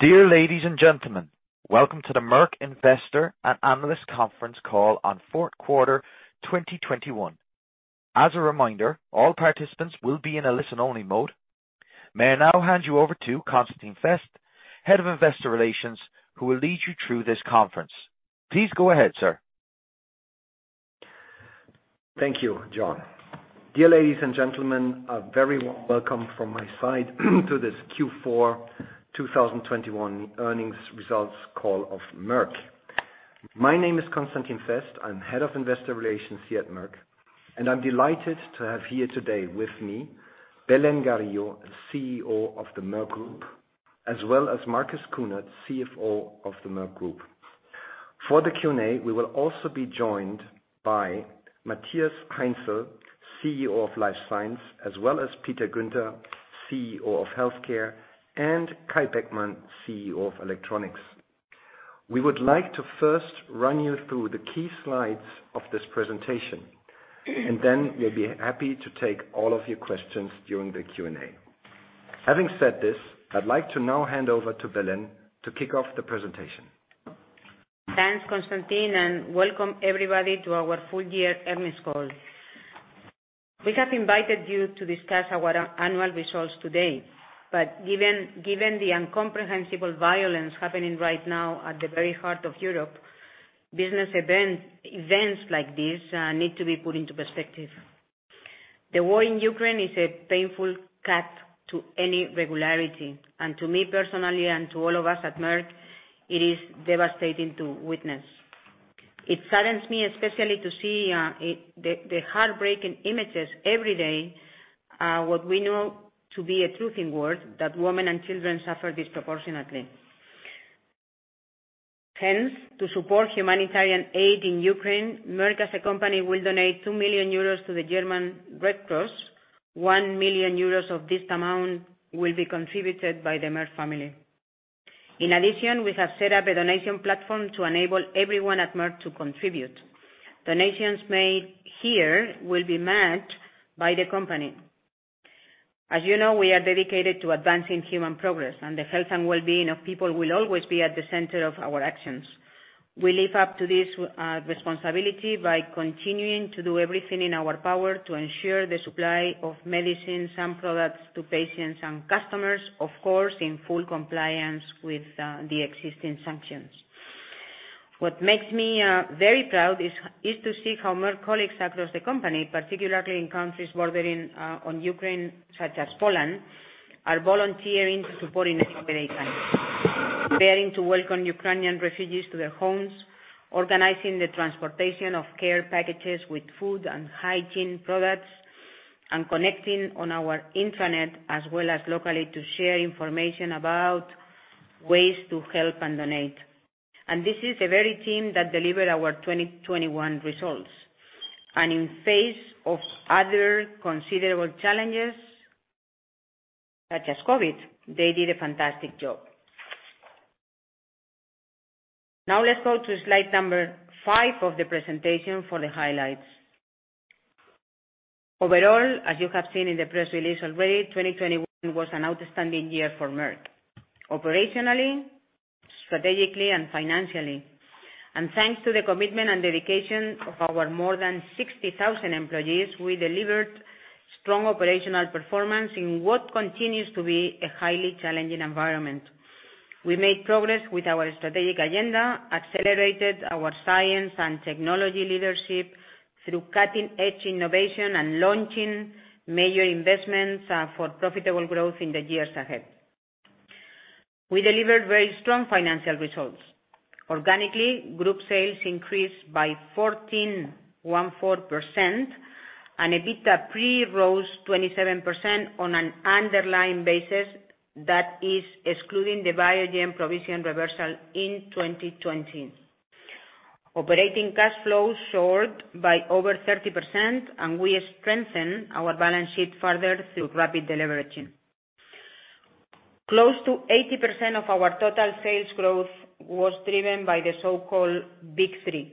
Dear ladies and gentlemen, welcome to the Merck Investor and Analyst Conference Call on Q4 2021. As a reminder, all participants will be in a listen-only mode. May I now hand you over to Constantin Fest, Head of Investor Relations, who will lead you through this conference. Please go ahead, sir. Thank you, John. Dear ladies and gentlemen, a very warm welcome from my side to this Q4 2021 earnings results call of Merck. My name is Constantin Fest. I'm Head of Investor Relations here at Merck, and I'm delighted to have here today with me, Belén Garijo, CEO of the Merck Group, as well as Marcus Kuhnert, CFO of the Merck Group. For the Q&A, we will also be joined by Matthias Heinzel, CEO of Life Science, as well as Peter Guenter, CEO of Healthcare, and Kai Beckmann, CEO of Electronics. We would like to first run you through the key slides of this presentation, and then we'll be happy to take all of your questions during the Q&A. Having said this, I'd like to now hand over to Belén to kick off the presentation. Thanks, Constantin, and welcome everybody to our full year earnings call. We have invited you to discuss our annual results today. Given the incomprehensible violence happening right now at the very heart of Europe, business events like this need to be put into perspective. The war in Ukraine is a painful cut to any regularity. To me, personally, and to all of us at Merck, it is devastating to witness. It saddens me, especially, to see the heartbreaking images every day, what we know to be a truth in the world, that women and children suffer disproportionately. Hence, to support humanitarian aid in Ukraine, Merck as a company will donate 2 million euros to the German Red Cross. 1 million euros of this amount will be contributed by the Merck family. In addition, we have set up a donation platform to enable everyone at Merck to contribute. Donations made here will be matched by the company. As you know, we are dedicated to advancing human progress, and the health and well-being of people will always be at the center of our actions. We live up to this responsibility by continuing to do everything in our power to ensure the supply of medicines and products to patients and customers, of course, in full compliance with the existing sanctions. What makes me very proud is to see how Merck colleagues across the company, particularly in countries bordering on Ukraine, such as Poland, are volunteering, supporting the Ukrainian. Preparing to welcome Ukrainian refugees to their homes, organizing the transportation of care packages with food and hygiene products, and connecting on our intranet, as well as locally, to share information about ways to help and donate. This is the very team that delivered our 2021 results. In face of other considerable challenges, such as COVID, they did a fantastic job. Now let's go to slide number five of the presentation for the highlights. Overall, as you have seen in the press release already, 2021 was an outstanding year for Merck, operationally, strategically, and financially. Thanks to the commitment and dedication of our more than 60,000 employees, we delivered strong operational performance in what continues to be a highly challenging environment. We made progress with our strategic agenda, accelerated our science and technology leadership through cutting-edge innovation and launching major investments for profitable growth in the years ahead. We delivered very strong financial results. Organically, group sales increased by 14.1%, and EBITDA pre rose 27% on an underlying basis that is excluding the Biogen provision reversal in 2020. Operating cash flow soared by over 30%, and we strengthen our balance sheet further through rapid deleveraging. Close to 80% of our total sales growth was driven by the so-called Big 3.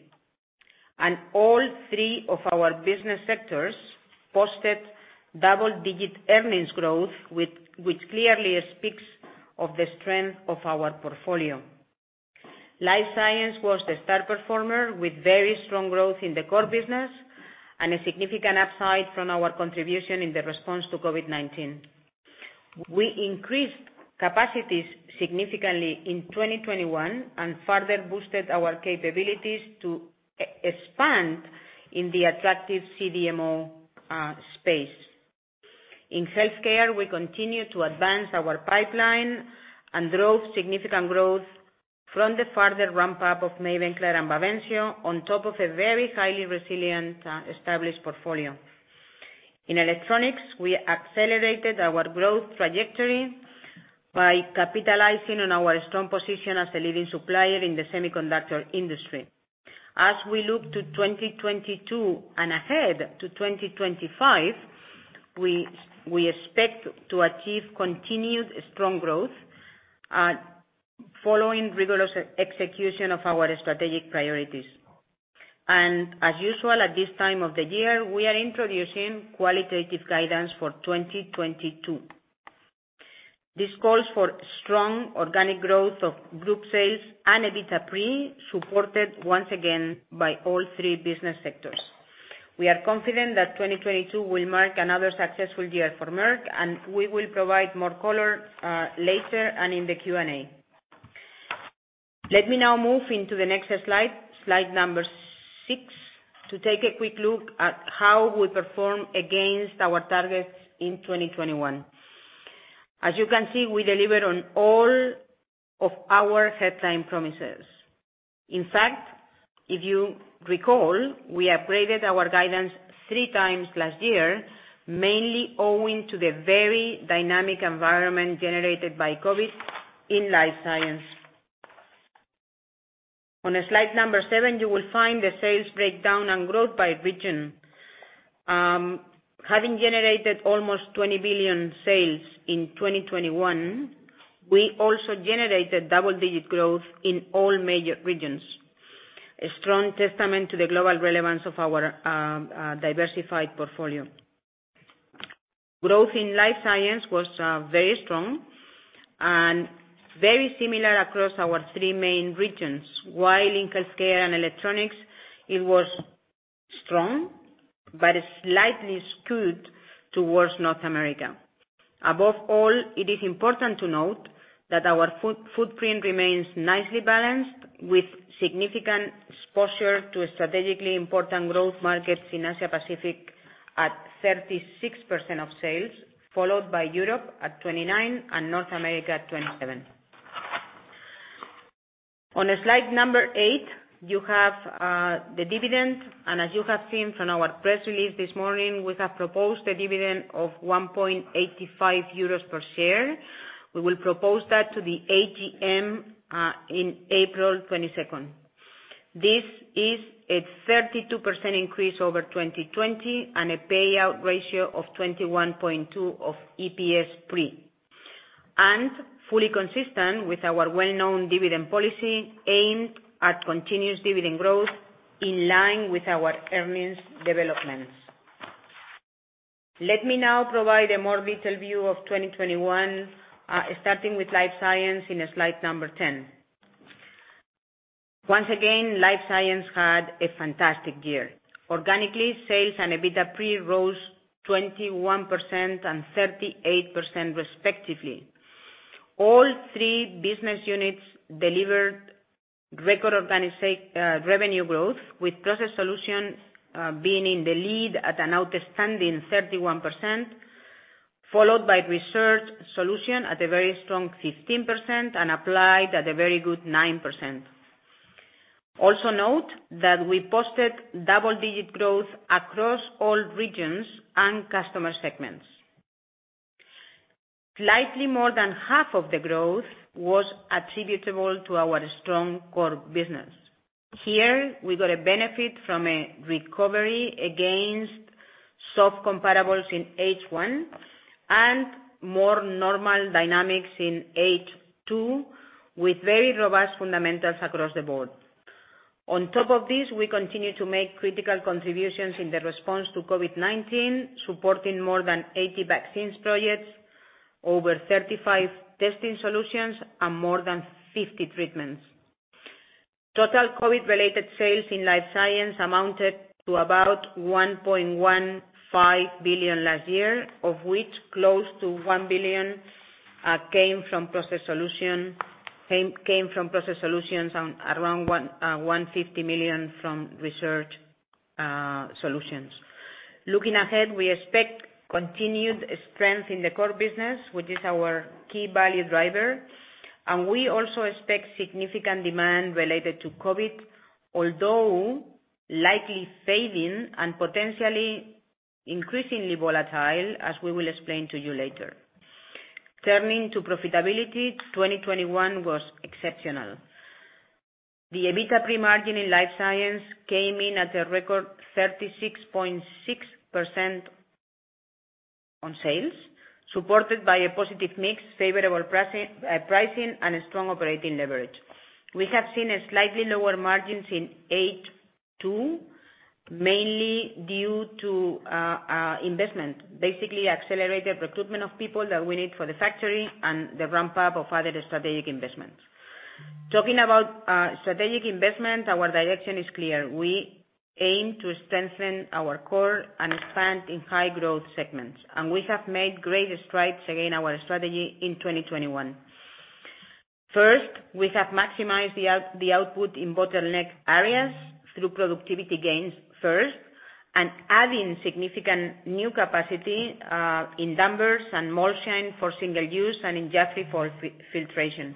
All three of our business sectors posted double-digit earnings growth which clearly speaks of the strength of our portfolio. Life Science was the star performer with very strong growth in the core business and a significant upside from our contribution in the response to COVID-19. We increased capacities significantly in 2021 and further boosted our capabilities to expand in the attractive CDMO space. In healthcare, we continue to advance our pipeline and drove significant growth from the further ramp up of Mavenclad and Bavencio on top of a very highly resilient established portfolio. In electronics, we accelerated our growth trajectory by capitalizing on our strong position as a leading supplier in the semiconductor industry. As we look to 2022 and ahead to 2025, we expect to achieve continued strong growth at, following rigorous execution of our strategic priorities. As usual, at this time of the year, we are introducing qualitative guidance for 2022. This calls for strong organic growth of group sales and EBITDA pre, supported once again by all three business sectors. We are confident that 2022 will mark another successful year for Merck, and we will provide more color later and in the Q&A. Let me now move into the next slide six, to take a quick look at how we performed against our targets in 2021. As you can see, we delivered on all of our headline promises. In fact, if you recall, we upgraded our guidance three times last year, mainly owing to the very dynamic environment generated by COVID in Life Science. On slide seven, you will find the sales breakdown and growth by region. Having generated almost 20 billion sales in 2021, we also generated double-digit growth in all major regions, a strong testament to the global relevance of our diversified portfolio. Growth in Life Science was very strong and very similar across our three main regions. While in Healthcare and Electronics, it was strong but slightly skewed towards North America. Above all, it is important to note that our footprint remains nicely balanced, with significant exposure to strategically important growth markets in Asia Pacific at 36% of sales, followed by Europe at 29% and North America at 27%. On slide number eight, you have the dividend. As you have seen from our press release this morning, we have proposed a dividend of 1.85 euros per share. We will propose that to the AGM in April 22nd. This is a 32% increase over 2020 and a payout ratio of 21.2 of EPS pre, and fully consistent with our well-known dividend policy aimed at continuous dividend growth in line with our earnings developments. Let me now provide a more detailed view of 2021, starting with Life Science in slide 10. Once again, Life Science had a fantastic year. Organically, sales and EBITDA pre rose 21% and 38% respectively. All three business units delivered record organic revenue growth, with Process Solutions being in the lead at an outstanding 31%, followed by Research Solutions at a very strong 15% and Applied at a very good 9%. Also note that we posted double-digit growth across all regions and customer segments. Slightly more than half of the growth was attributable to our strong core business. Here, we got a benefit from a recovery against soft comparables in H1 and more normal dynamics in H2, with very robust fundamentals across the board. On top of this, we continue to make critical contributions in the response to COVID-19, supporting more than 80 vaccines projects, over 35 testing solutions, and more than 50 treatments. Total COVID-related sales in Life Science amounted to about 1.15 billion last year, of which close to 1 billion came from Process Solutions and around 150 million from Research Solutions. Looking ahead, we expect continued strength in the core business, which is our key value driver, and we also expect significant demand related to COVID, although likely fading and potentially increasingly volatile, as we will explain to you later. Turning to profitability, 2021 was exceptional. The EBITDA pre-margin in Life Science came in at a record 36.6% on sales, supported by a positive mix, favorable pricing, and strong operating leverage. We have seen slightly lower margins in H2, mainly due to investment, basically accelerated recruitment of people that we need for the factory and the ramp-up of other strategic investments. Talking about strategic investment, our direction is clear. We aim to strengthen our core and expand in high growth segments, and we have made great strides against our strategy in 2021. First, we have maximized the output in bottleneck areas through productivity gains and adding significant new capacity in Danvers and Molsheim for single use and in Jaffrey for filtration.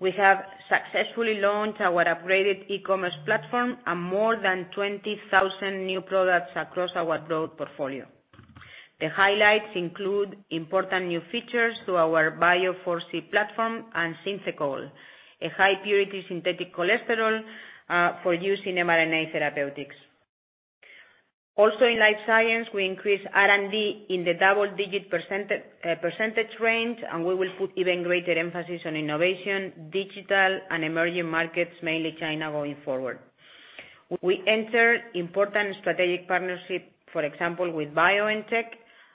We have successfully launched our upgraded e-commerce platform and more than 20,000 new products across our broad portfolio. The highlights include important new features to our Bio4C platform and Synthechol, a high purity synthetic cholesterol, for use in mRNA therapeutics. In life science, we increase R&D in the double-digit percentage range, and we will put even greater emphasis on innovation, digital and emerging markets, mainly China going forward. We enter important strategic partnership, for example, with BioNTech,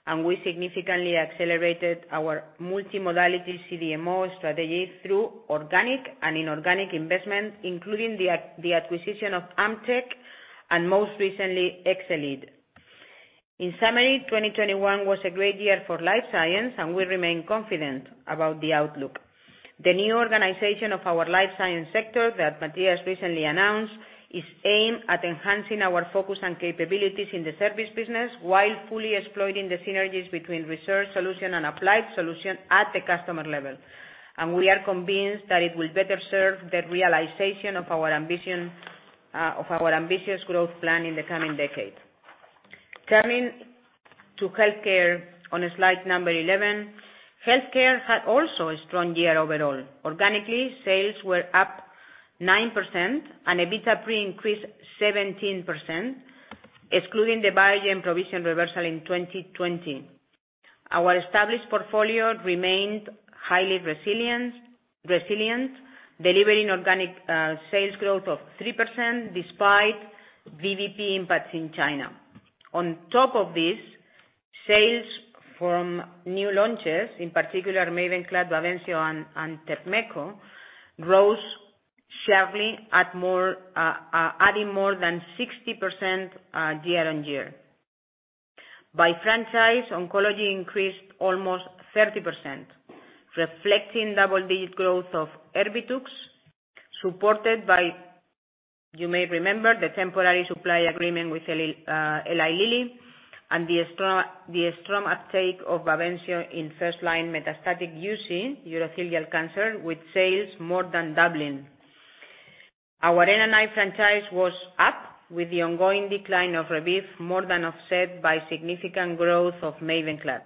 and we significantly accelerated our multimodality CDMO strategy through organic and inorganic investment, including the acquisition of AmpTec, and most recently Exelead. In summary, 2021 was a great year for life science, and we remain confident about the outlook. The new organization of our Life Science sector that Matthias recently announced is aimed at enhancing our focus and capabilities in the service business while fully exploiting the synergies between Research Solutions and Applied Solutions at the customer level. We are convinced that it will better serve the realization of our ambitions for our ambitious growth plan in the coming decade. Coming to healthcare on slide 11. Healthcare had also a strong year overall. Organically, sales were up 9% and EBITDA pre increased 17%, excluding the Biogen provision reversal in 2020. Our established portfolio remained highly resilient, delivering organic sales growth of 3% despite VBP impacts in China. On top of this, sales from new launches, in particular Mavenclad, Bavencio and Tepmetko, grew sharply by more than 60% year-on-year. By franchise, oncology increased almost 30%, reflecting double-digit growth of Erbitux, supported by, you may remember, the temporary supply agreement with Eli Lilly and the strong uptake of Bavencio in first-line metastatic UC, urothelial cancer, with sales more than doubling. Our NNI franchise was up with the ongoing decline of Rebif, more than offset by significant growth of Mavenclad,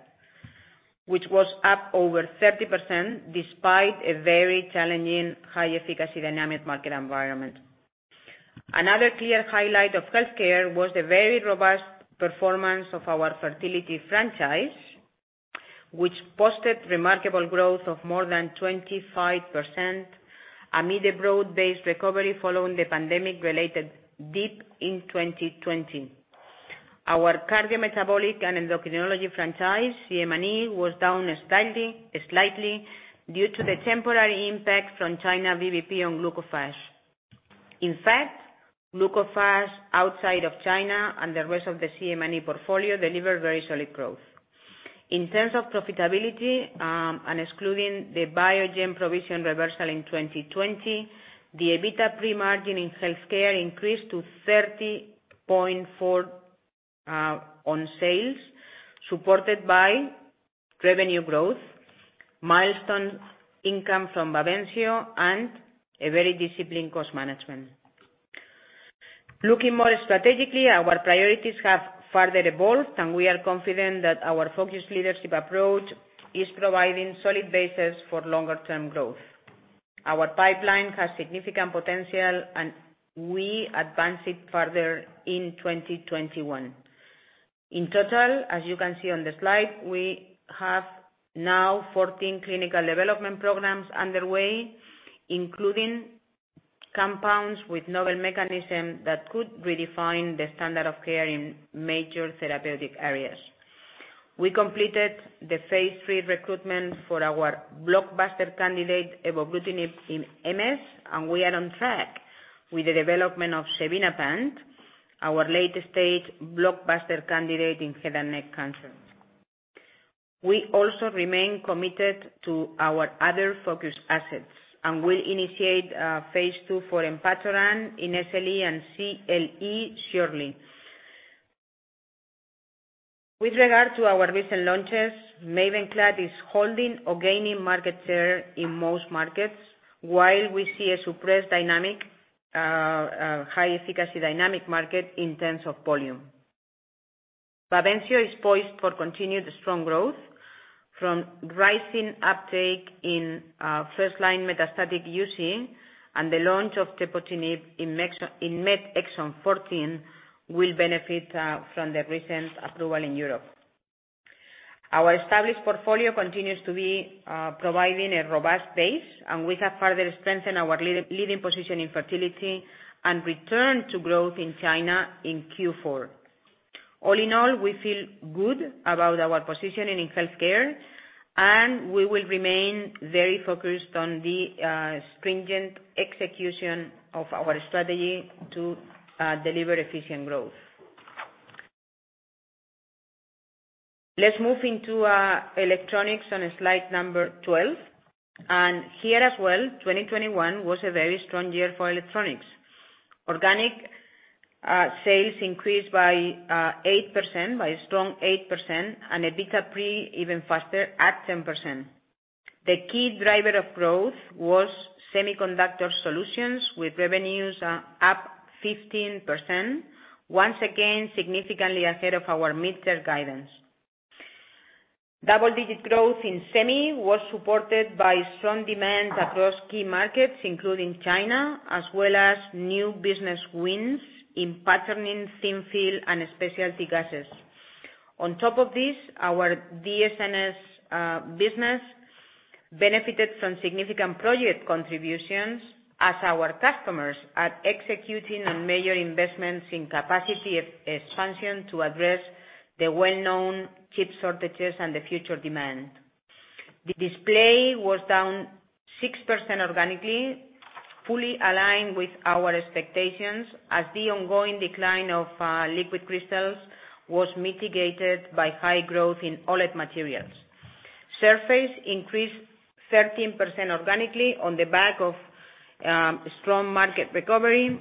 which was up over 30% despite a very challenging high efficacy dynamic market environment. Another clear highlight of healthcare was the very robust performance of our fertility franchise, which posted remarkable growth of more than 25% amid a broad-based recovery following the pandemic-related dip in 2020. Our cardiometabolic and endocrinology franchise, CMNE, was down slightly due to the temporary impact from China VBP on Glucophage. In fact, Glucophage outside of China and the rest of the CMNE portfolio delivered very solid growth. In terms of profitability, and excluding the Biogen provision reversal in 2020, the EBITDA pre-margin in Healthcare increased to 30.4% on sales, supported by revenue growth, milestone income from Bavencio and a very disciplined cost management. Looking more strategically, our priorities have further evolved, and we are confident that our focused leadership approach is providing solid basis for longer term growth. Our pipeline has significant potential, and we advance it further in 2021. In total, as you can see on the slide, we have now 14 clinical development programs underway, including compounds with novel mechanism that could redefine the standard of care in major therapeutic areas. We completed the phase III recruitment for our blockbuster candidate Evobrutinib in MS, and we are on track with the development of Xevinapant, our late stage blockbuster candidate in head and neck cancer. We also remain committed to our other focus assets and will initiate phase II for enpatoran in SLE and CLE shortly. With regard to our recent launches, Mavenclad is holding or gaining market share in most markets while we see a suppressed dynamic high efficacy dynamic market in terms of volume. Bavencio is poised for continued strong growth from rising uptake in first line metastatic UC and the launch of Tepotinib in MET exon 14 will benefit from the recent approval in Europe. Our established portfolio continues to be providing a robust base and we have further strengthened our leading position in fertility and return to growth in China in Q4. All in all, we feel good about our positioning in Healthcare and we will remain very focused on the stringent execution of our strategy to deliver efficient growth. Let's move into electronics on slide 12. Here as well, 2021 was a very strong year for Electronics. Organic sales increased by a strong 8% and EBITDA pre even faster at 10%. The key driver of growth was Semiconductor Solutions with revenues up 15%, once again significantly ahead of our mid-term guidance. Double-digit growth in semi was supported by strong demand across key markets, including China, as well as new business wins in patterning, thin film, and specialty gases. On top of this, our DS&S business benefited from significant project contributions as our customers are executing on major investments in capacity expansion to address the well-known chip shortages and the future demand. The display was down 6% organically, fully aligned with our expectations as the ongoing decline of liquid crystals was mitigated by high growth in OLED materials. Surface increased 13% organically on the back of strong market recovery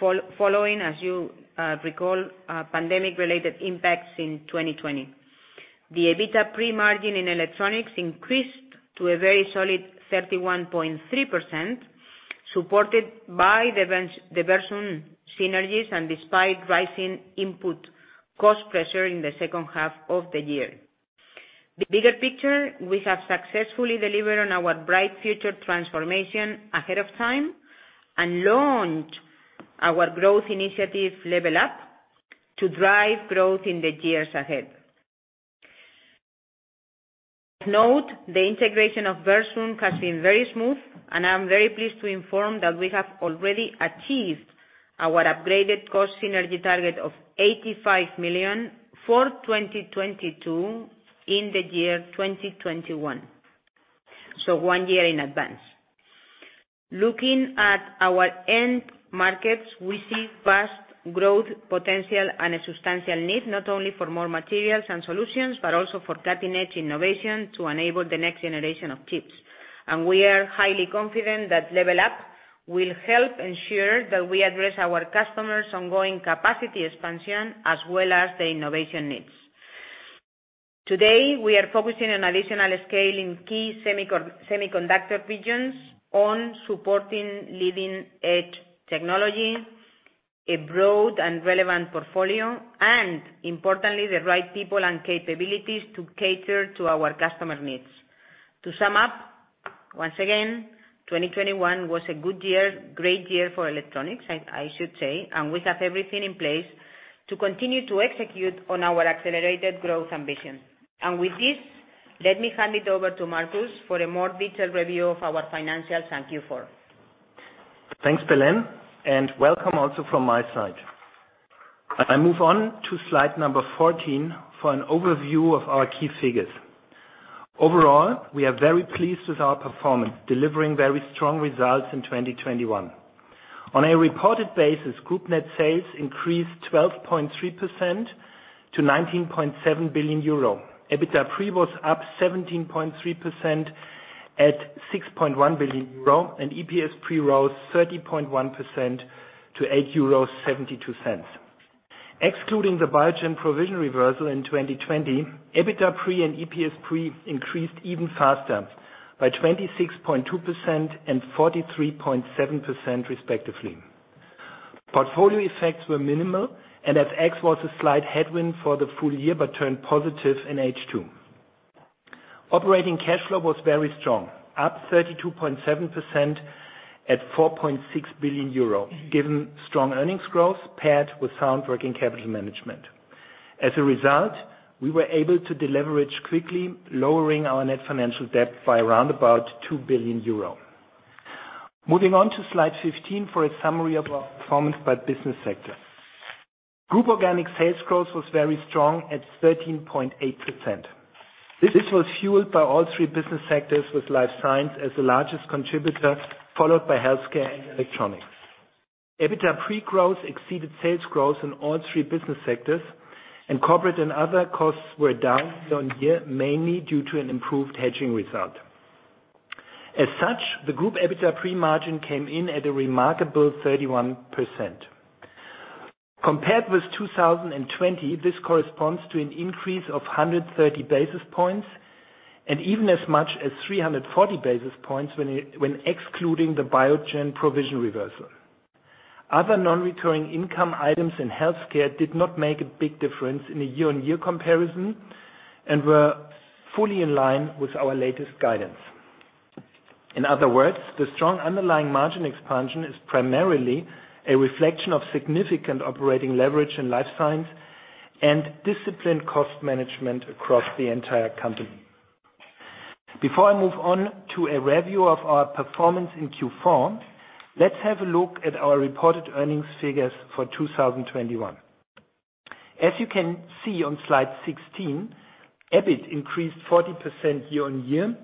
following, as you recall, pandemic-related impacts in 2020. The EBITDA pre-margin in electronics increased to a very solid 31.3%, supported by the Versum synergies and despite rising input cost pressure in the H2 of the year. The bigger picture, we have successfully delivered on our Bright Future transformation ahead of time and launched our growth initiative Level Up to drive growth in the years ahead. Note, the integration of Versum has been very smooth, and I'm very pleased to inform that we have already achieved our upgraded cost synergy target of 85 million for 2022 in the year 2021. One year in advance. Looking at our end markets, we see vast growth potential and a substantial need, not only for more materials and solutions, but also for cutting-edge innovation to enable the next generation of chips. We are highly confident that Level Up will help ensure that we address our customers' ongoing capacity expansion as well as the innovation needs. Today, we are focusing on additional scale in key semiconductor regions on supporting leading-edge technology, a broad and relevant portfolio, and importantly, the right people and capabilities to cater to our customers' needs. To sum up, once again, 2021 was a good year, great year for Electronics, I should say, and we have everything in place to continue to execute on our accelerated growth ambitions. With this, let me hand it over to Marcus for a more detailed review of our financials in Q4. Thanks, Belén, and welcome also from my side. I move on to slide number 14 for an overview of our key figures. Overall, we are very pleased with our performance, delivering very strong results in 2021. On a reported basis, Group net sales increased 12.3% to 19.7 billion euro. EBITDA pre was up 17.3% at 6.1 billion euro, and EPS pre rose 30.1% to 8.72 euros. Excluding the Biogen provision reversal in 2020, EBITDA pre and EPS pre increased even faster, by 26.2% and 43.7% respectively. Portfolio effects were minimal, and FX was a slight headwind for the full year but turned positive in H2. Operating cash flow was very strong, up 32.7% at 4.6 billion euro, given strong earnings growth paired with sound working capital management. As a result, we were able to deleverage quickly, lowering our net financial debt by around about 2 billion euro. Moving on to slide 15 for a summary of our performance by business sector. Group organic sales growth was very strong at 13.8%. This was fueled by all three business sectors, with Life Science as the largest contributor, followed by Healthcare and Electronics. EBITDA pre-growth exceeded sales growth in all three business sectors, and corporate and other costs were down year-on-year, mainly due to an improved hedging result. As such, the group EBITDA pre-margin came in at a remarkable 31%. Compared with 2020, this corresponds to an increase of 130 basis points and even as much as 340 basis points when excluding the Biogen provision reversal. Other non-recurring income items in healthcare did not make a big difference in the year-on-year comparison and were fully in line with our latest guidance. In other words, the strong underlying margin expansion is primarily a reflection of significant operating leverage in Life Science and disciplined cost management across the entire company. Before I move on to a review of our performance in Q4, let's have a look at our reported earnings figures for 2021. As you can see on slide 16, EBIT increased 40% year-on-year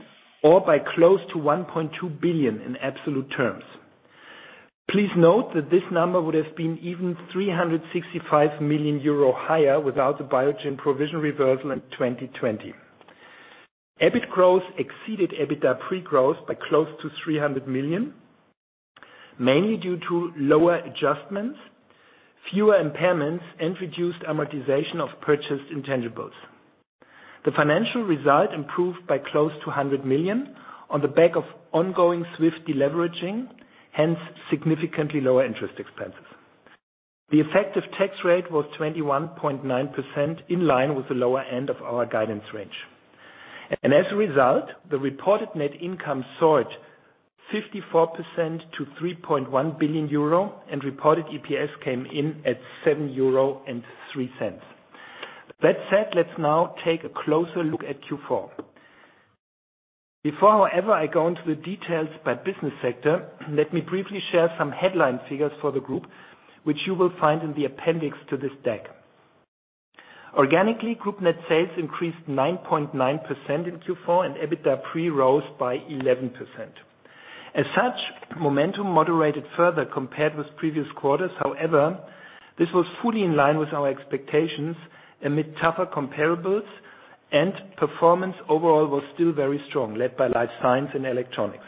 or by close to 1.2 billion in absolute terms. Please note that this number would have been even 365 million euro higher without the Biogen provision reversal in 2020. EBIT growth exceeded EBITDA pre-growth by close to 300 million, mainly due to lower adjustments, fewer impairments, and reduced amortization of purchased intangibles. The financial result improved by close to 100 million on the back of ongoing swift deleveraging, hence significantly lower interest expenses. The effective tax rate was 21.9% in line with the lower end of our guidance range. As a result, the reported net income soared 54% to 3.1 billion euro. Reported EPS came in at 7.03 euro. That said, let's now take a closer look at Q4. Before, however, I go into the details by business sector, let me briefly share some headline figures for the group, which you will find in the appendix to this deck. Organically, group net sales increased 9.9% in Q4 and EBITDA pre rose by 11%. As such, momentum moderated further compared with previous quarters. However, this was fully in line with our expectations amid tougher comparables and performance overall was still very strong, led by Life Science and Electronics.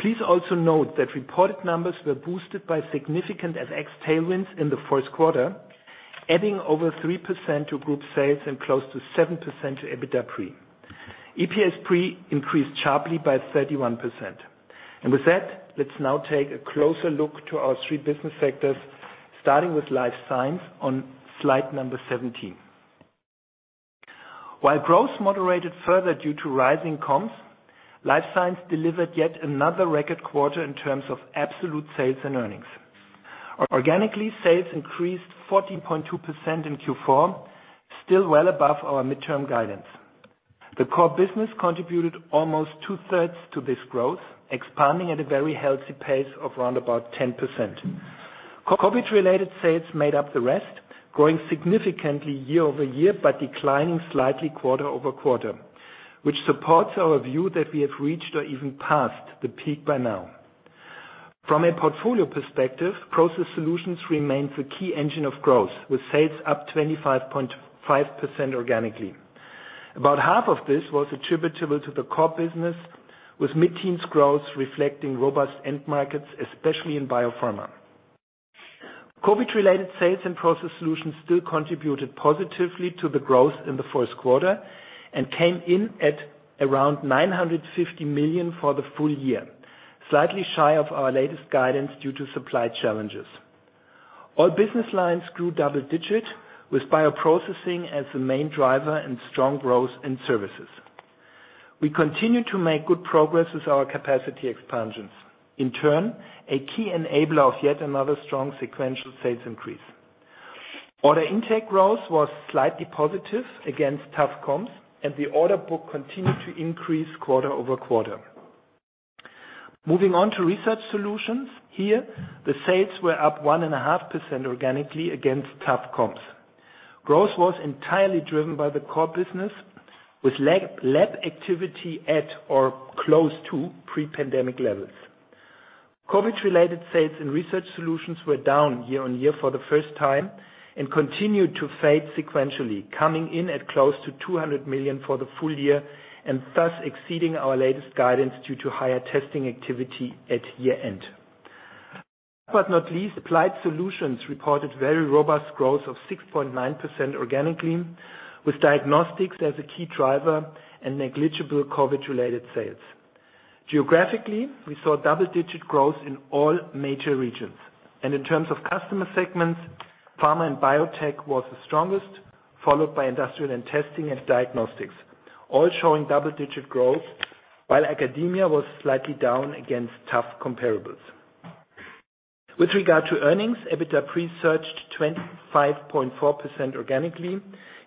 Please also note that reported numbers were boosted by significant FX tailwinds in the Q1, adding over 3% to group sales and close to 7% to EBITDA pre. EPS pre increased sharply by 31%. With that, let's now take a closer look to our three business sectors, starting with Life Science on slide 17. While growth moderated further due to rising comps, Life Science delivered yet another record quarter in terms of absolute sales and earnings. Organically, sales increased 14.2% in Q4, still well above our midterm guidance. The core business contributed almost two-thirds to this growth, expanding at a very healthy pace of around 10%. COVID-related sales made up the rest, growing significantly year-over-year, but declining slightly quarter-over-quarter, which supports our view that we have reached or even passed the peak by now. From a portfolio perspective, Process Solutions remains the key engine of growth, with sales up 25.5% organically. About half of this was attributable to the core business, with mid-teens growth reflecting robust end markets, especially in biopharma. COVID-related sales and Process Solutions still contributed positively to the growth in the Q1 and came in at around 950 million for the full year, slightly shy of our latest guidance due to supply challenges. All business lines grew double-digit, with bioprocessing as the main driver and strong growth in services. We continue to make good progress with our capacity expansions, in turn a key enabler of yet another strong sequential sales increase. Order intake growth was slightly positive against tough comps and the order book continued to increase quarter-over-quarter. Moving on to Research Solutions. Here, the sales were up 1.5% organically against tough comps. Growth was entirely driven by the core business with lab activity at or close to pre-pandemic levels. COVID-related sales and Research Solutions were down year-on-year for the first time and continued to fade sequentially, coming in at close to 200 million for the full year and thus exceeding our latest guidance due to higher testing activity at year-end. Not least, Applied Solutions reported very robust growth of 6.9% organically, with diagnostics as a key driver and negligible COVID-related sales. Geographically, we saw double-digit growth in all major regions. In terms of customer segments, pharma and biotech was the strongest, followed by industrial and testing and diagnostics, all showing double-digit growth while academia was slightly down against tough comparables. With regard to earnings, EBITDA pre surged 25.4% organically,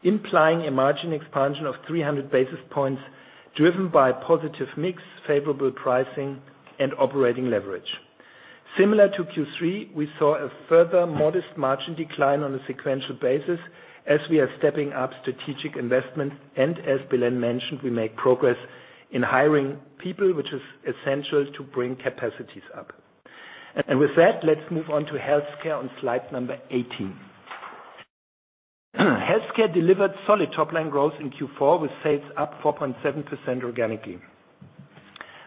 implying a margin expansion of 300 basis points driven by positive mix, favorable pricing and operating leverage. Similar to Q3, we saw a further modest margin decline on a sequential basis as we are stepping up strategic investments and as Belén mentioned, we make progress in hiring people, which is essential to bring capacities up. With that, let's move on to healthcare on slide 18. Healthcare delivered solid top-line growth in Q4, with sales up 4.7% organically.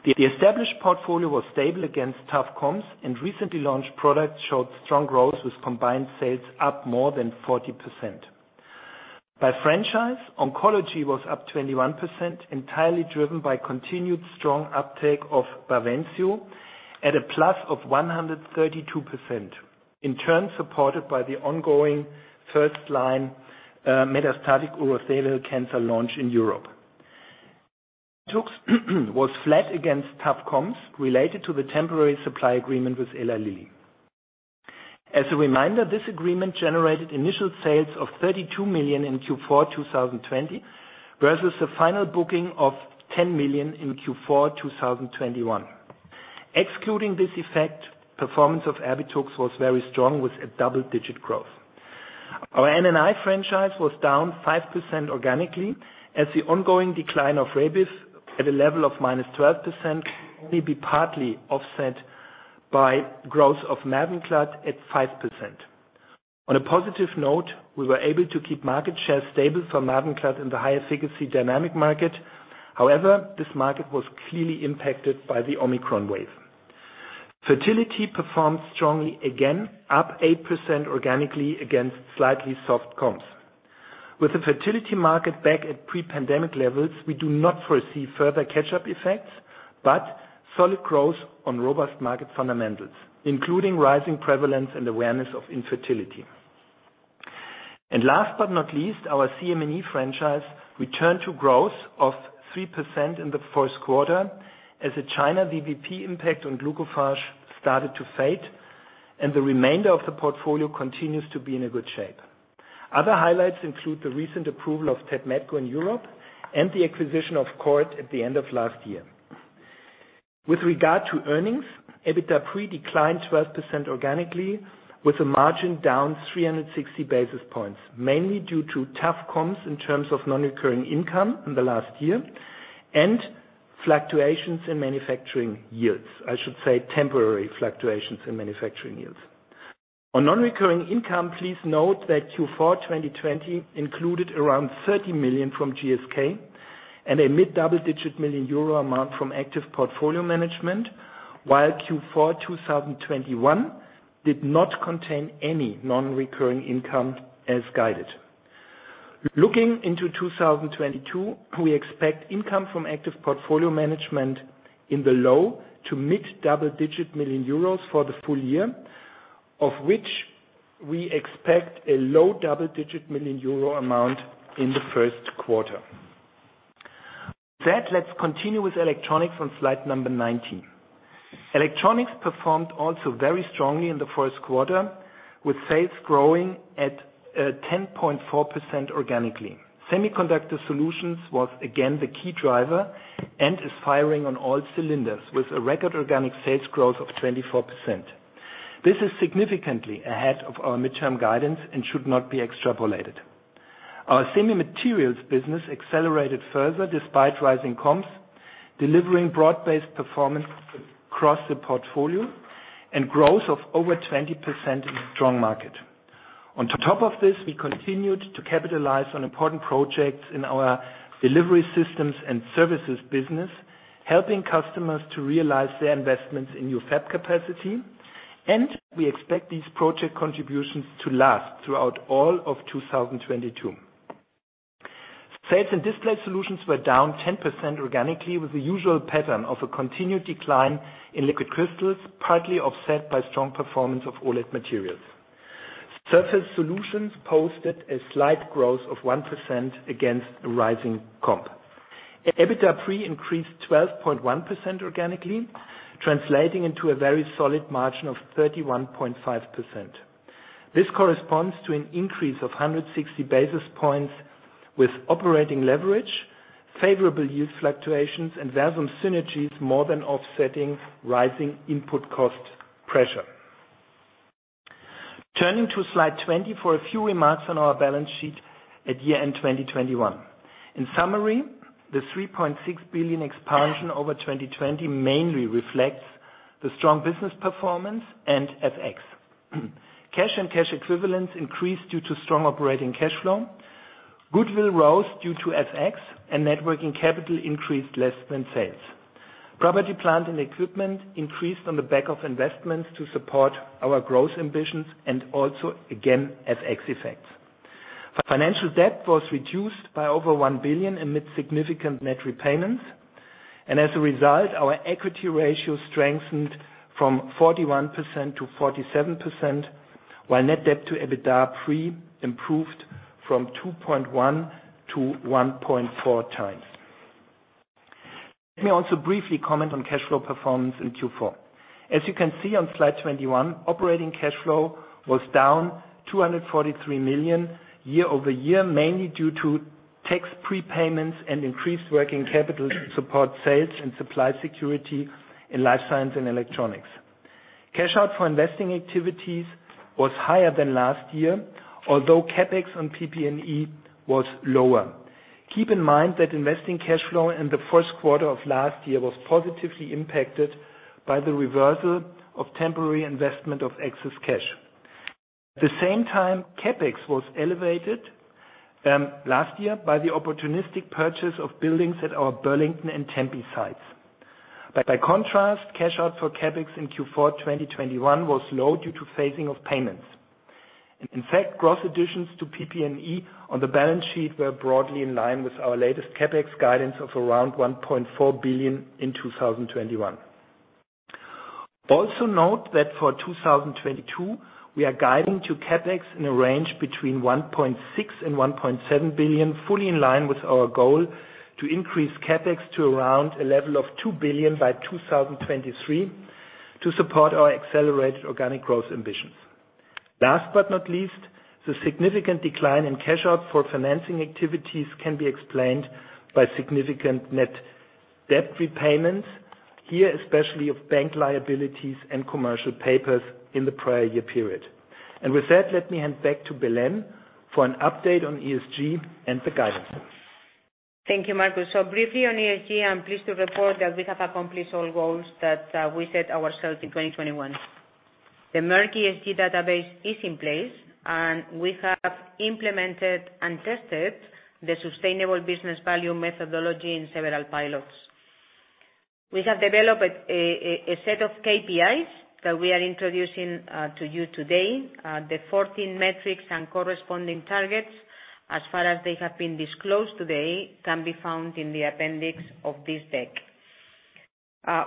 The established portfolio was stable against tough comps and recently launched products showed strong growth with combined sales up more than 40%. By franchise, oncology was up 21%, entirely driven by continued strong uptake of Bavencio at +132%, in turn supported by the ongoing first-line metastatic urothelial cancer launch in Europe. Was flat against tough comps related to the temporary supply agreement with Eli Lilly. As a reminder, this agreement generated initial sales of 32 million in Q4 2020 versus a final booking of 10 million in Q4 2021. Excluding this effect, performance of Erbitux was very strong, with double-digit growth. Our NNI franchise was down 5% organically as the ongoing decline of Rebif at a level of -12% may be partly offset by growth of Mavenclad at 5%. On a positive note, we were able to keep market share stable for Mavenclad in the high efficacy dynamic market. However, this market was clearly impacted by the Omicron wave. Fertility performed strongly again, up 8% organically against slightly soft comps. With the fertility market back at pre-pandemic levels, we do not foresee further catch-up effects, but solid growth on robust market fundamentals, including rising prevalence and awareness of infertility. Last but not least, our CM&E franchise returned to growth of 3% in the Q1 as the China VBP impact on Glucophage started to fade, and the remainder of the portfolio continues to be in a good shape. Other highlights include the recent approval of Tepmetko in Europe and the acquisition of Chord at the end of last year. With regard to earnings, EBITDA pre declined 12% organically, with the margin down 360 basis points, mainly due to tough comps in terms of non-recurring income in the last year and fluctuations in manufacturing yields. I should say temporary fluctuations in manufacturing yields. On non-recurring income, please note that Q4 2020 included around 30 million from GSK and a mid-double-digit million EUR amount from active portfolio management, while Q4 2021 did not contain any non-recurring income as guided. Looking into 2022, we expect income from active portfolio management in the low to mid-double-digit million EUR for the full year, of which we expect a low double-digit million EUR amount in the Q1. With that, let's continue with Electronics on slide 19. Electronics performed also very strongly in the Q1, with sales growing at 10.4% organically. Semiconductor Solutions was again the key driver and is firing on all cylinders with a record organic sales growth of 24%. This is significantly ahead of our midterm guidance and should not be extrapolated. Our semi materials business accelerated further despite rising comps, delivering broad-based performance across the portfolio and growth of over 20% in a strong market. On top of this, we continued to capitalize on important projects in our Delivery Systems & Services business, helping customers to realize their investments in new fab capacity, and we expect these project contributions to last throughout all of 2022. Sales in Display Solutions were down 10% organically, with the usual pattern of a continued decline in liquid crystals, partly offset by strong performance of OLED materials. Surface Solutions posted a slight growth of 1% against a rising comp. EBITDA pre increased 12.1% organically, translating into a very solid margin of 31.5%. This corresponds to an increase of 160 basis points with operating leverage, favorable yield fluctuations, and Versum synergies more than offsetting rising input cost pressure. Turning to slide 20 for a few remarks on our balance sheet at year-end 2021. In summary, the 3.6 billion expansion over 2020 mainly reflects the strong business performance and FX. Cash and cash equivalents increased due to strong operating cash flow. Goodwill rose due to FX, and net working capital increased less than sales. Property, plant, and equipment increased on the back of investments to support our growth ambitions and also again, FX effects. Financial debt was reduced by over 1 billion amid significant net repayments, and as a result, our equity ratio strengthened from 41%-47%, while net debt to EBITDA pre improved from 2.1x to 1.4x. Let me also briefly comment on cash flow performance in Q4. As you can see on slide 21, operating cash flow was down 243 million year-over-year, mainly due to tax prepayments and increased working capital to support sales and supply security in Life Science and Electronics. Cash out for investing activities was higher than last year, although CapEx on PP&E was lower. Keep in mind that investing cash flow in the Q1 of last year was positively impacted by the reversal of temporary investment of excess cash. At the same time, CapEx was elevated last year by the opportunistic purchase of buildings at our Burlington and Tempe sites. By contrast, cash out for CapEx in Q4 2021 was low due to phasing of payments. In fact, gross additions to PP&E on the balance sheet were broadly in line with our latest CapEx guidance of around 1.4 billion in 2021. Also note that for 2022, we are guiding to CapEx in a range between 1.6 billion and 1.7 billion, fully in line with our goal to increase CapEx to around a level of 2 billion by 2023 to support our accelerated organic growth ambitions. Last but not least, the significant decline in cash out for financing activities can be explained by significant net debt repayments, here, especially of bank liabilities and commercial papers in the prior year period. With that, let me hand back to Belén for an update on ESG and the guidance. Thank you, Marcus. Briefly on ESG, I'm pleased to report that we have accomplished all goals that we set ourselves in 2021. The Merck ESG database is in place, and we have implemented and tested the sustainable business value methodology in several pilots. We have developed a set of KPIs that we are introducing to you today. The 14 metrics and corresponding targets, as far as they have been disclosed today, can be found in the appendix of this deck.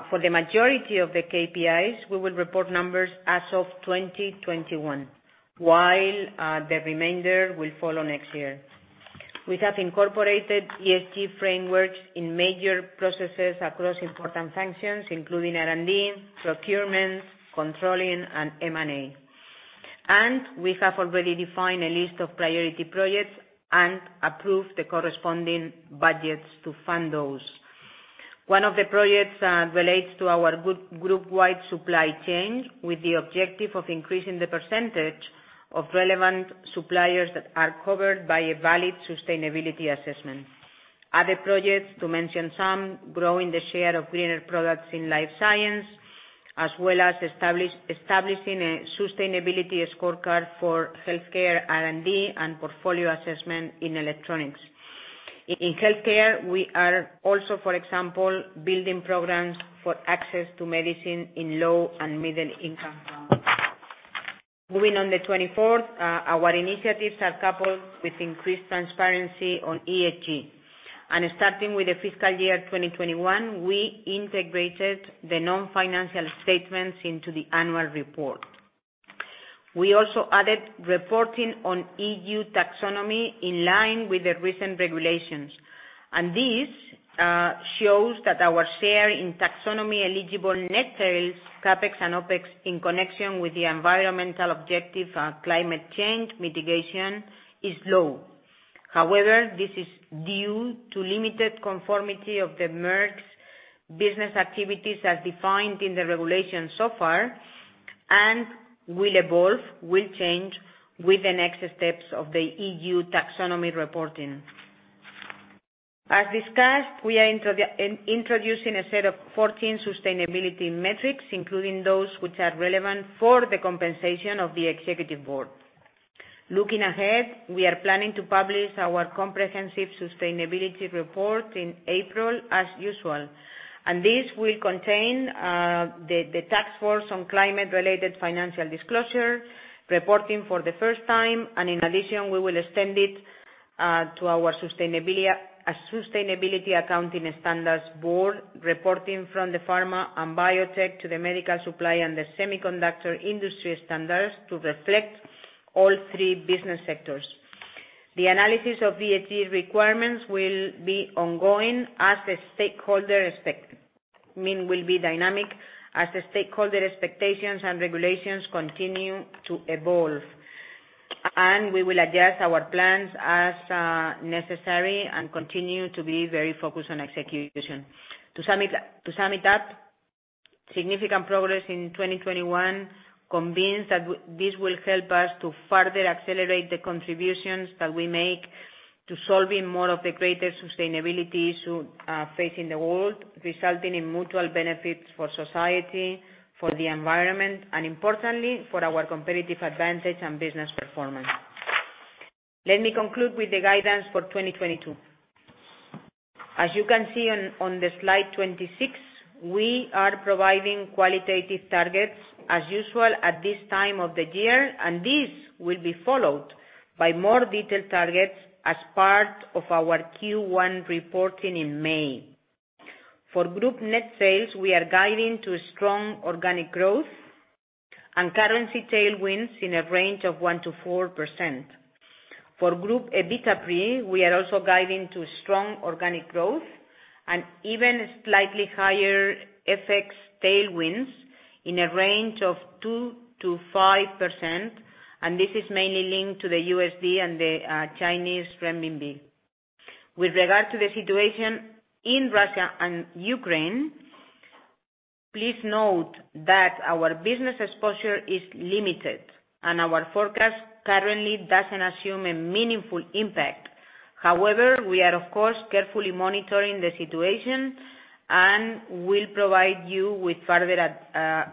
For the majority of the KPIs, we will report numbers as of 2021, while the remainder will follow next year. We have incorporated ESG frameworks in major processes across important functions, including R&D, procurement, controlling, and M&A. We have already defined a list of priority projects and approved the corresponding budgets to fund those. One of the projects relates to our global group-wide supply chain, with the objective of increasing the percentage of relevant suppliers that are covered by a valid sustainability assessment. Other projects, to mention some, growing the share of greener products in Life Science, as well as establishing a sustainability scorecard for Healthcare R&D and portfolio assessment in Electronics. In Healthcare, we are also, for example, building programs for access to medicine in low and middle income countries. Moving on to the 24th, our initiatives are coupled with increased transparency on ESG. Starting with the fiscal year 2021, we integrated the non-financial statements into the annual report. We also added reporting on EU Taxonomy in line with the recent regulations. This shows that our share in taxonomy-eligible net sales, CapEx and OpEx in connection with the environmental objective of climate change mitigation is low. However, this is due to limited conformity of Merck's business activities as defined in the regulations so far and will evolve, will change with the next steps of the EU Taxonomy reporting. As discussed, we are introducing a set of 14 sustainability metrics, including those which are relevant for the compensation of the executive board. Looking ahead, we are planning to publish our comprehensive sustainability report in April as usual, and this will contain the Task Force on Climate-related Financial Disclosures reporting for the first time. In addition, we will extend it to our Sustainability Accounting Standards Board reporting from the pharma and biotech to the medical supply and the semiconductor industry standards to reflect all three business sectors. The analysis of ESG requirements I mean, will be dynamic as the stakeholder expectations and regulations continue to evolve. We will adjust our plans as necessary and continue to be very focused on execution. To sum it up, significant progress in 2021 convinces that this will help us to further accelerate the contributions that we make to solving more of the greater sustainability issue facing the world, resulting in mutual benefits for society, for the environment, and importantly, for our competitive advantage and business performance. Let me conclude with the guidance for 2022. As you can see on the slide 26, we are providing qualitative targets as usual at this time of the year, and these will be followed by more detailed targets as part of our Q1 reporting in May. For group net sales, we are guiding to strong organic growth and currency tailwinds in a range of 1%-4%. For group EBITDA, we are also guiding to strong organic growth and even slightly higher FX tailwinds in a range of 2%-5%, and this is mainly linked to the USD and the Chinese renminbi. With regard to the situation in Russia and Ukraine, please note that our business exposure is limited and our forecast currently doesn't assume a meaningful impact. However, we are, of course, carefully monitoring the situation and will provide you with further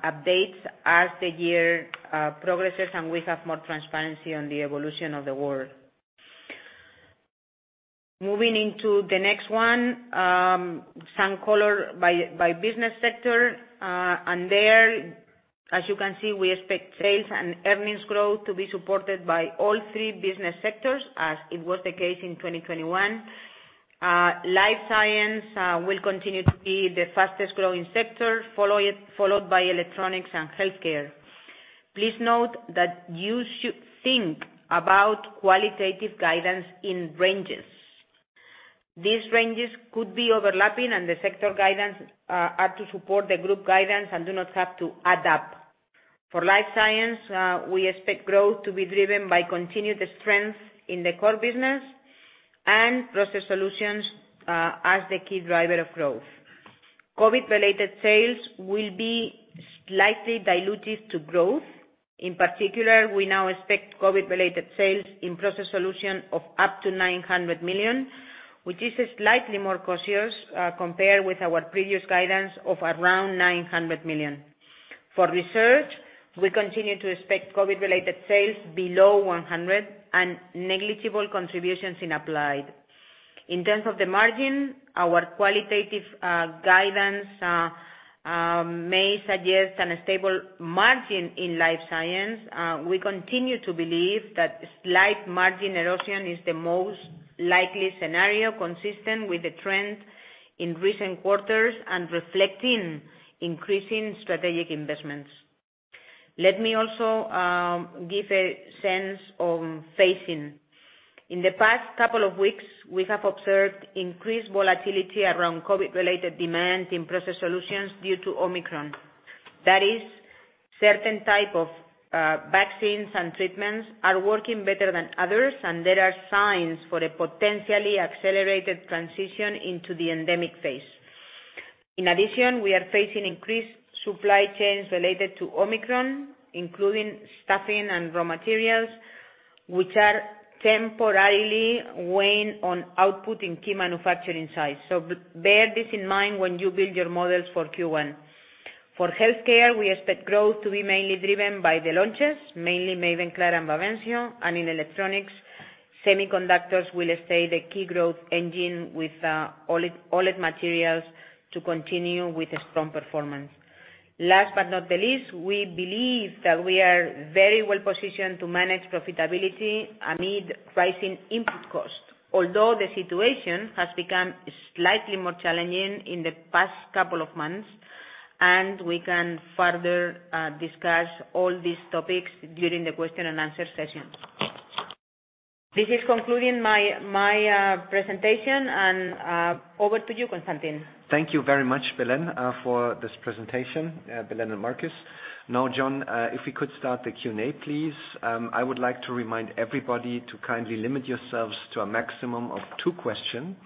updates as the year progresses and we have more transparency on the evolution of the war. Moving into the next one, some color by business sector. There, as you can see, we expect sales and earnings growth to be supported by all three business sectors, as it was the case in 2021. Life Science will continue to be the fastest growing sector, followed by Electronics and Healthcare. Please note that you should think about qualitative guidance in ranges. These ranges could be overlapping and the sector guidance are to support the group guidance and do not have to add up. For Life Science, we expect growth to be driven by continued strength in the core business and Process Solutions, as the key driver of growth. COVID-related sales will be slightly dilutive to growth. In particular, we now expect COVID-related sales in Process Solutions of up to 900 million, which is slightly more cautious, compared with our previous guidance of around 900 million. For research, we continue to expect COVID-related sales below 100 million and negligible contributions in Applied. In terms of the margin, our qualitative guidance may suggest a stable margin in Life Science. We continue to believe that slight margin erosion is the most likely scenario, consistent with the trend in recent quarters and reflecting increasing strategic investments. Let me also give a sense on phasing. In the past couple of weeks, we have observed increased volatility around COVID-related demand in Process Solutions due to Omicron. That is, certain type of vaccines and treatments are working better than others, and there are signs for a potentially accelerated transition into the endemic phase. In addition, we are facing increased supply chain constraints related to Omicron, including staffing and raw materials, which are temporarily weighing on output in key manufacturing sites. Bear this in mind when you build your models for Q1. For Healthcare, we expect growth to be mainly driven by the launches, mainly Mavenclad and Bavencio, and in Electronics, semiconductors will stay the key growth engine with OLED materials to continue with a strong performance. Last but not the least, we believe that we are very well positioned to manage profitability amid rising input costs. Although the situation has become slightly more challenging in the past couple of months, and we can further discuss all these topics during the question and answer session. This is concluding my presentation and over to you, Constantin. Thank you very much, Belén, for this presentation, Belén and Marcus. Now, John, if we could start the Q&A, please. I would like to remind everybody to kindly limit yourselves to a maximum of two questions.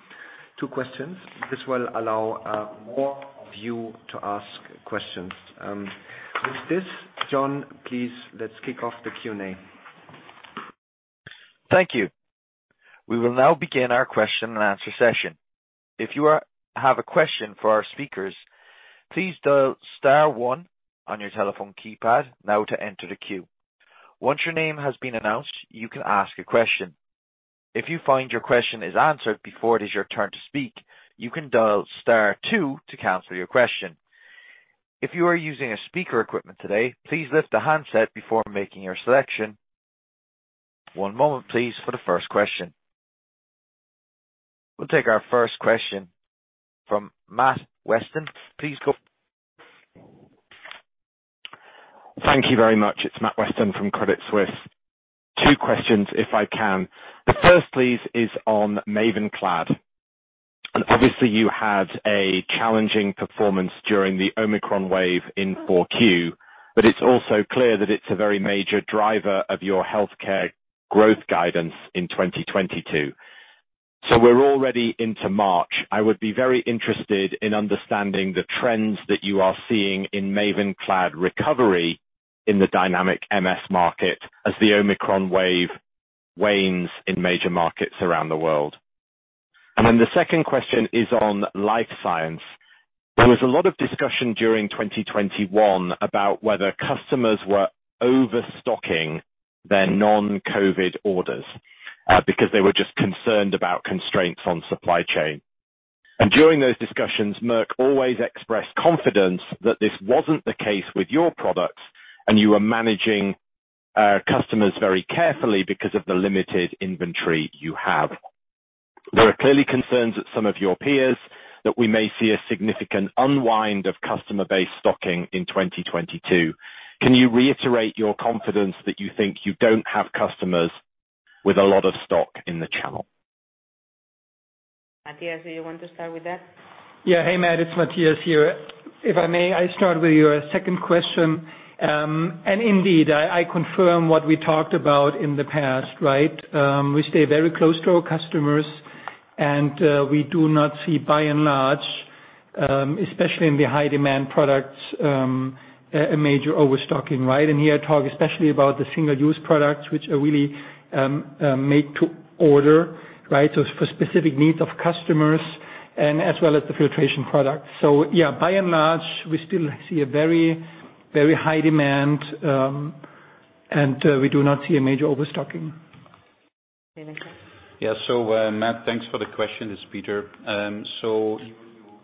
This will allow more of you to ask questions. With this, John, please, let's kick off the Q&A. Thank you. We will now begin our question and answer session. If you have a question for our speakers, please dial star one on your telephone keypad now to enter the queue. Once your name has been announced, you can ask a question. If you find your question is answered before it is your turn to speak, you can dial star two to cancel your question. If you are using speaker equipment today, please lift the handset before making your selection. One moment please for the first question. We'll take our first question from Matthew Weston. Please go ahead. Thank you very much. It's Matthew Weston from Credit Suisse. Two questions, if I can. The first please, is on Mavenclad. Obviously, you had a challenging performance during the Omicron wave in Q4, but it's also clear that it's a very major driver of your healthcare growth guidance in 2022. We're already into March. I would be very interested in understanding the trends that you are seeing in Mavenclad recovery in the dynamic MS market as the Omicron wave wanes in major markets around the world. Then the second question is on Life Science. There was a lot of discussion during 2021 about whether customers were overstocking their non-COVID orders because they were just concerned about constraints on supply chain. During those discussions, Merck always expressed confidence that this wasn't the case with your products and you were managing customers very carefully because of the limited inventory you have. There are clearly concerns at some of your peers that we may see a significant unwind of customer-based stocking in 2022. Can you reiterate your confidence that you think you don't have customers with a lot of stock in the channel? Matthias, do you want to start with that? Yeah. Hey, Matt, it's Matthias here. If I may, I start with your second question. Indeed, I confirm what we talked about in the past, right? We stay very close to our customers, and we do not see by and large, especially in the high demand products, a major overstocking, right? Here, I talk especially about the single-use products, which are really made to order, right? Yeah, by and large, we still see a very, very high demand, and we do not see a major overstocking. Peter. Matt, thanks for the question. It's Peter.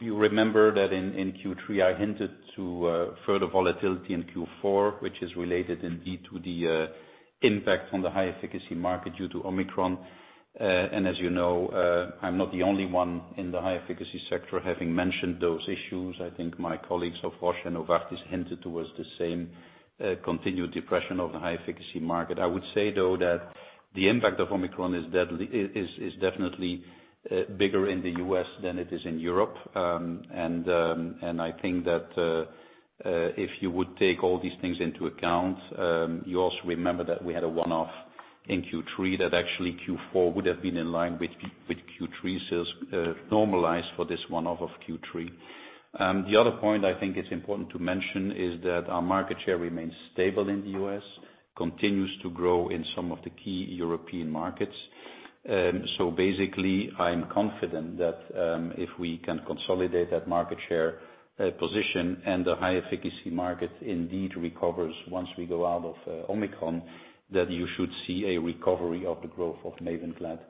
You remember that in Q3, I hinted to further volatility in Q4, which is related indeed to the impact on the high efficacy market due to Omicron. As you know, I'm not the only one in the high efficacy sector having mentioned those issues. I think my colleagues of Roche and Novartis hinted towards the same continued depression of the high efficacy market. I would say, though, that the impact of Omicron is definitely bigger in the U.S. than it is in Europe. I think that if you would take all these things into account, you also remember that we had a one-off in Q3, that actually Q4 would have been in line with Q3 sales, normalized for this one-off of Q3. The other point I think it's important to mention is that our market share remains stable in the U.S., continues to grow in some of the key European markets. Basically, I'm confident that if we can consolidate that market share position and the high-efficacy market indeed recovers once we go out of Omicron, that you should see a recovery of the growth of Mavenclad.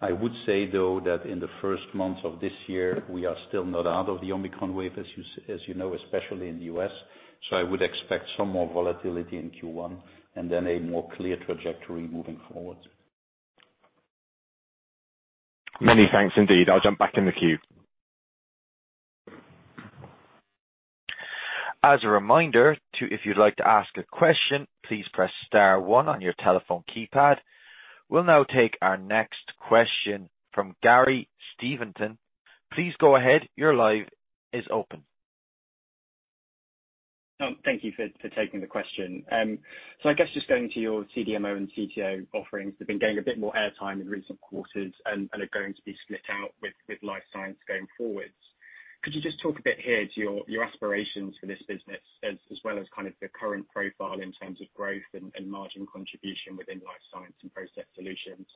I would say, though, that in the first months of this year, we are still not out of the Omicron wave, as you know, especially in the U.S. I would expect some more volatility in Q1, and then a more clear trajectory moving forward. Many thanks, indeed. I'll jump back in the queue. As a reminder, if you'd like to ask a question, please press star one on your telephone keypad. We'll now take our next question from Gary Stevenson. Please go ahead. Your line is open. Thank you for taking the question. I guess just going to your CDMO and CTO offerings. They've been getting a bit more airtime in recent quarters and are going to be split out with Life Science going forwards. Could you just talk a bit here to your aspirations for this business as well as kind of the current profile in terms of growth and margin contribution within Life Science and Process Solutions?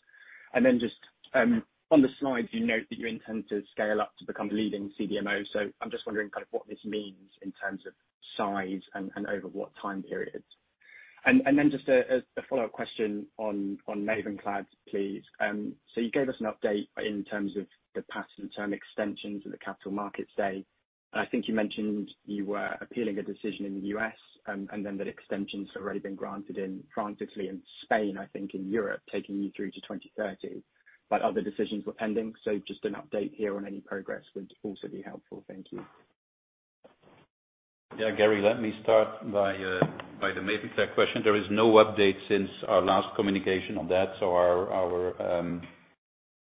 On the slides, you note that you intend to scale up to become the leading CDMO, so I'm just wondering kind of what this means in terms of size and over what time periods. Just a follow-up question on Mavenclad, please. You gave us an update in terms of the patent term extensions at the Capital Markets Day. I think you mentioned you were appealing a decision in the U.S. and then that extensions have already been granted in France, Italy, and Spain, I think, in Europe, taking you through to 2030. Other decisions were pending, so just an update here on any progress would also be helpful. Thank you. Yeah, Gary, let me start by the Mavenclad question. There is no update since our last communication on that. Our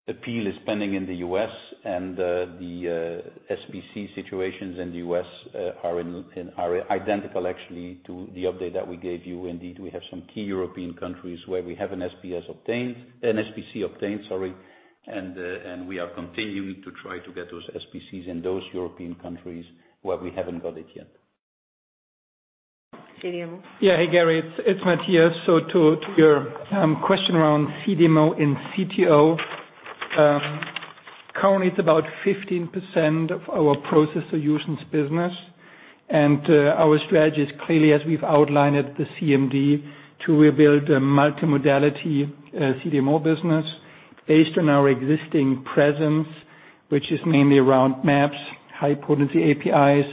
appeal is pending in the U.S. and the SPC situations in the U.S. are identical actually to the update that we gave you. Indeed, we have some key European countries where we have an SPC obtained, and we are continuing to try to get those SPCs in those European countries where we haven't got it yet. Hein? Yeah. Hey, Gary, it's Matthias. To your question around CDMO and CTO, currently it's about 15% of our Process Solutions business. Our strategy is clearly, as we've outlined at the CMD, to rebuild a multimodality CDMO business based on our existing presence, which is mainly around mAbs, high-potency APIs,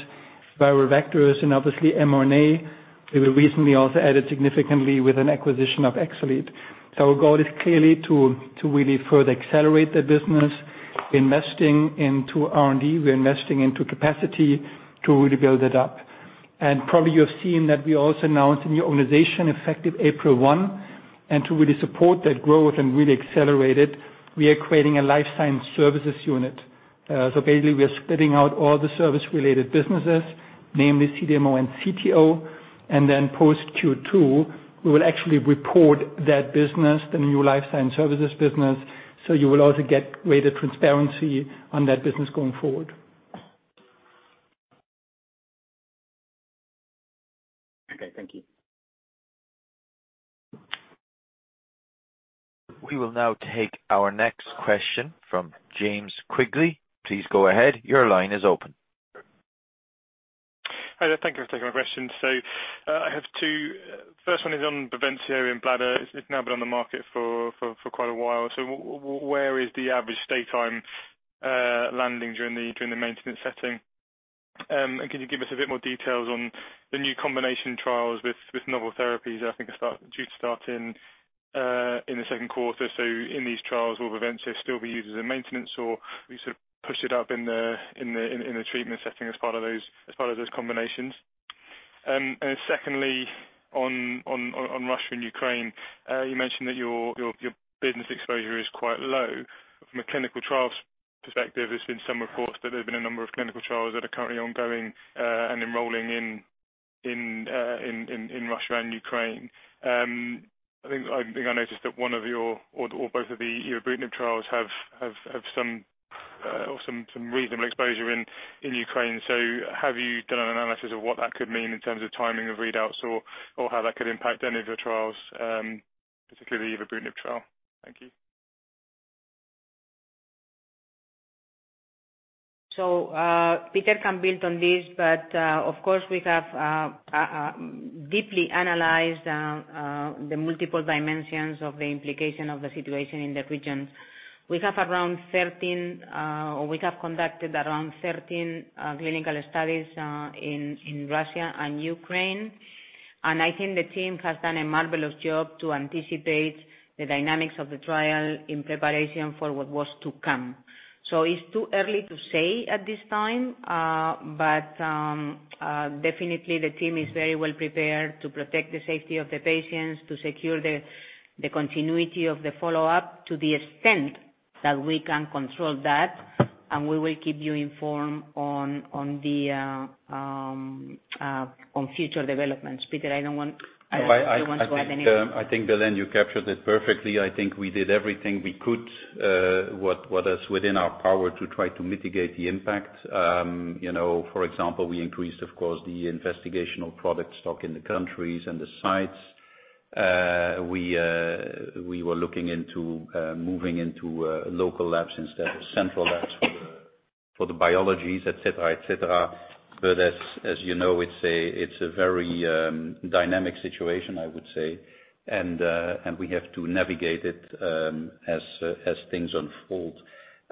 viral vectors, and obviously mRNA. We recently also added significantly with an acquisition of Exelead. Our goal is clearly to really further accelerate the business, investing into R&D, we're investing into capacity to really build it up. Probably you have seen that we also announced a new organization effective April 1. To really support that growth and really accelerate it, we are creating a Life Science Services unit. Basically we are splitting out all the service-related businesses, namely CDMO and CTO, and then post Q2, we will actually report that business, the new Life Science services business. You will also get greater transparency on that business going forward. Okay, thank you. We will now take our next question from James Quigley. Please go ahead. Your line is open. Hi there. Thank you for taking my question. I have two. First one is on Bavencio in bladder. It's now been on the market for quite a while. Where is the average stay time landing during the maintenance setting? And can you give us a bit more details on the new combination trials with novel therapies that I think are due to start in the Q2? In these trials, will Bavencio still be used as a maintenance or will you sort of push it up in the treatment setting as part of those combinations? And secondly, on Russia and Ukraine, you mentioned that your business exposure is quite low. From a clinical trials perspective, there's been some reports that there have been a number of clinical trials that are currently ongoing and enrolling in Russia and Ukraine. I think I noticed that one of your or both of the Evobrutinib trials have some reasonable exposure in Ukraine. So have you done an analysis of what that could mean in terms of timing of readouts or how that could impact any of your trials, particularly the Evobrutinib trial? Thank you. Peter can build on this, but of course, we have deeply analyzed the multiple dimensions of the implication of the situation in the region. We have conducted around 13 clinical studies in Russia and Ukraine. I think the team has done a marvelous job to anticipate the dynamics of the trial in preparation for what was to come. It's too early to say at this time, but definitely the team is very well prepared to protect the safety of the patients, to secure the continuity of the follow-up to the extent that we can control that, and we will keep you informed on future developments. Peter, I don't want. You want to add anything? I think, Belén, you captured it perfectly. I think we did everything we could, what is within our power to try to mitigate the impact. You know, for example, we increased, of course, the investigational product stock in the countries and the sites. We were looking into moving into local labs instead of central labs for the biologies, et cetera, et cetera. But as you know, it's a very dynamic situation, I would say. We have to navigate it as things unfold.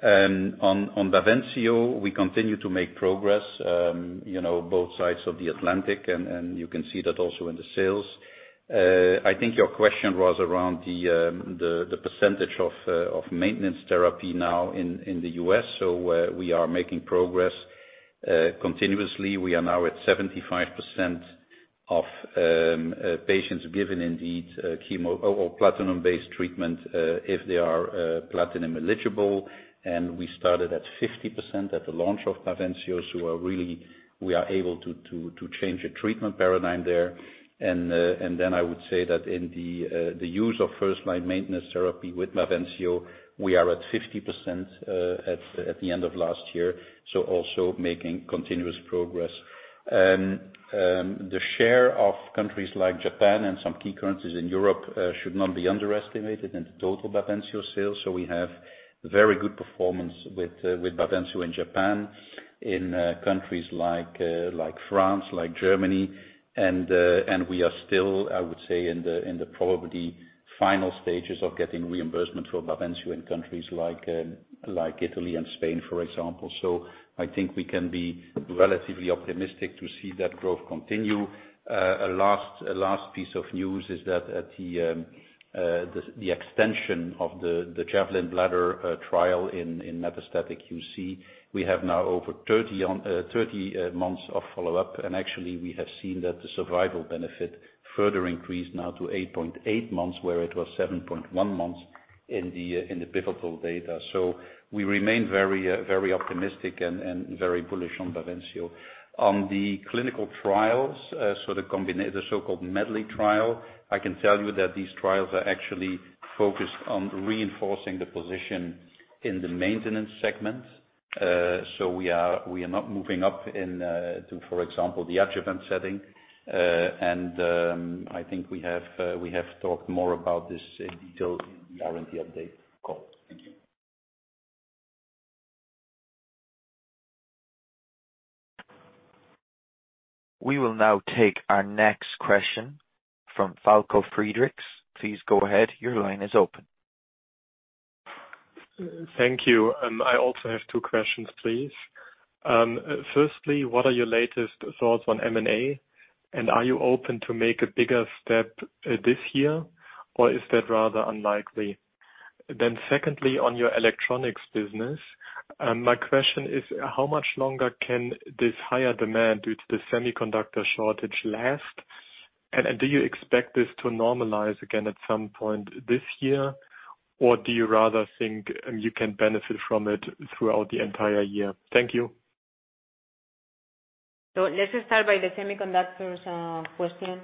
On Bavencio, we continue to make progress, you know, both sides of the Atlantic, and you can see that also in the sales. I think your question was around the percentage of maintenance therapy now in the U.S. We are making progress continuously. We are now at 75% of patients given indeed chemo or platinum-based treatment if they are platinum eligible. We started at 50% at the launch of Bavencio. We are really able to change the treatment paradigm there. I would say that in the use of first-line maintenance therapy with Bavencio, we are at 50% at the end of last year, also making continuous progress. The share of countries like Japan and some key countries in Europe should not be underestimated in the total Bavencio sales. We have very good performance with Bavencio in Japan, in countries like France, like Germany. We are still, I would say, in the probably final stages of getting reimbursement for Bavencio in countries like Italy and Spain, for example. I think we can be relatively optimistic to see that growth continue. A last piece of news is that at the extension of the Javelin Bladder trial in metastatic UC, we have now over 30 months of follow-up. Actually we have seen that the survival benefit further increased now to 8.8 months, where it was 7.1 months in the pivotal data. We remain very optimistic and very bullish on Bavencio. On the clinical trials, the so-called Medley trial, I can tell you that these trials are actually focused on reinforcing the position in the maintenance segment. We are not moving up into, for example, the adjuvant setting. I think we have talked more about this in detail in the R&D update call. Thank you. We will now take our next question from Falko Friedrichs. Please go ahead. Your line is open. Thank you. I also have two questions, please. Firstly, what are your latest thoughts on M&A? Are you open to make a bigger step, this year, or is that rather unlikely? Secondly, on your electronics business, my question is, how much longer can this higher demand due to the semiconductor shortage last? And do you expect this to normalize again at some point this year, or do you rather think you can benefit from it throughout the entire year? Thank you. Let's start by the semiconductors question.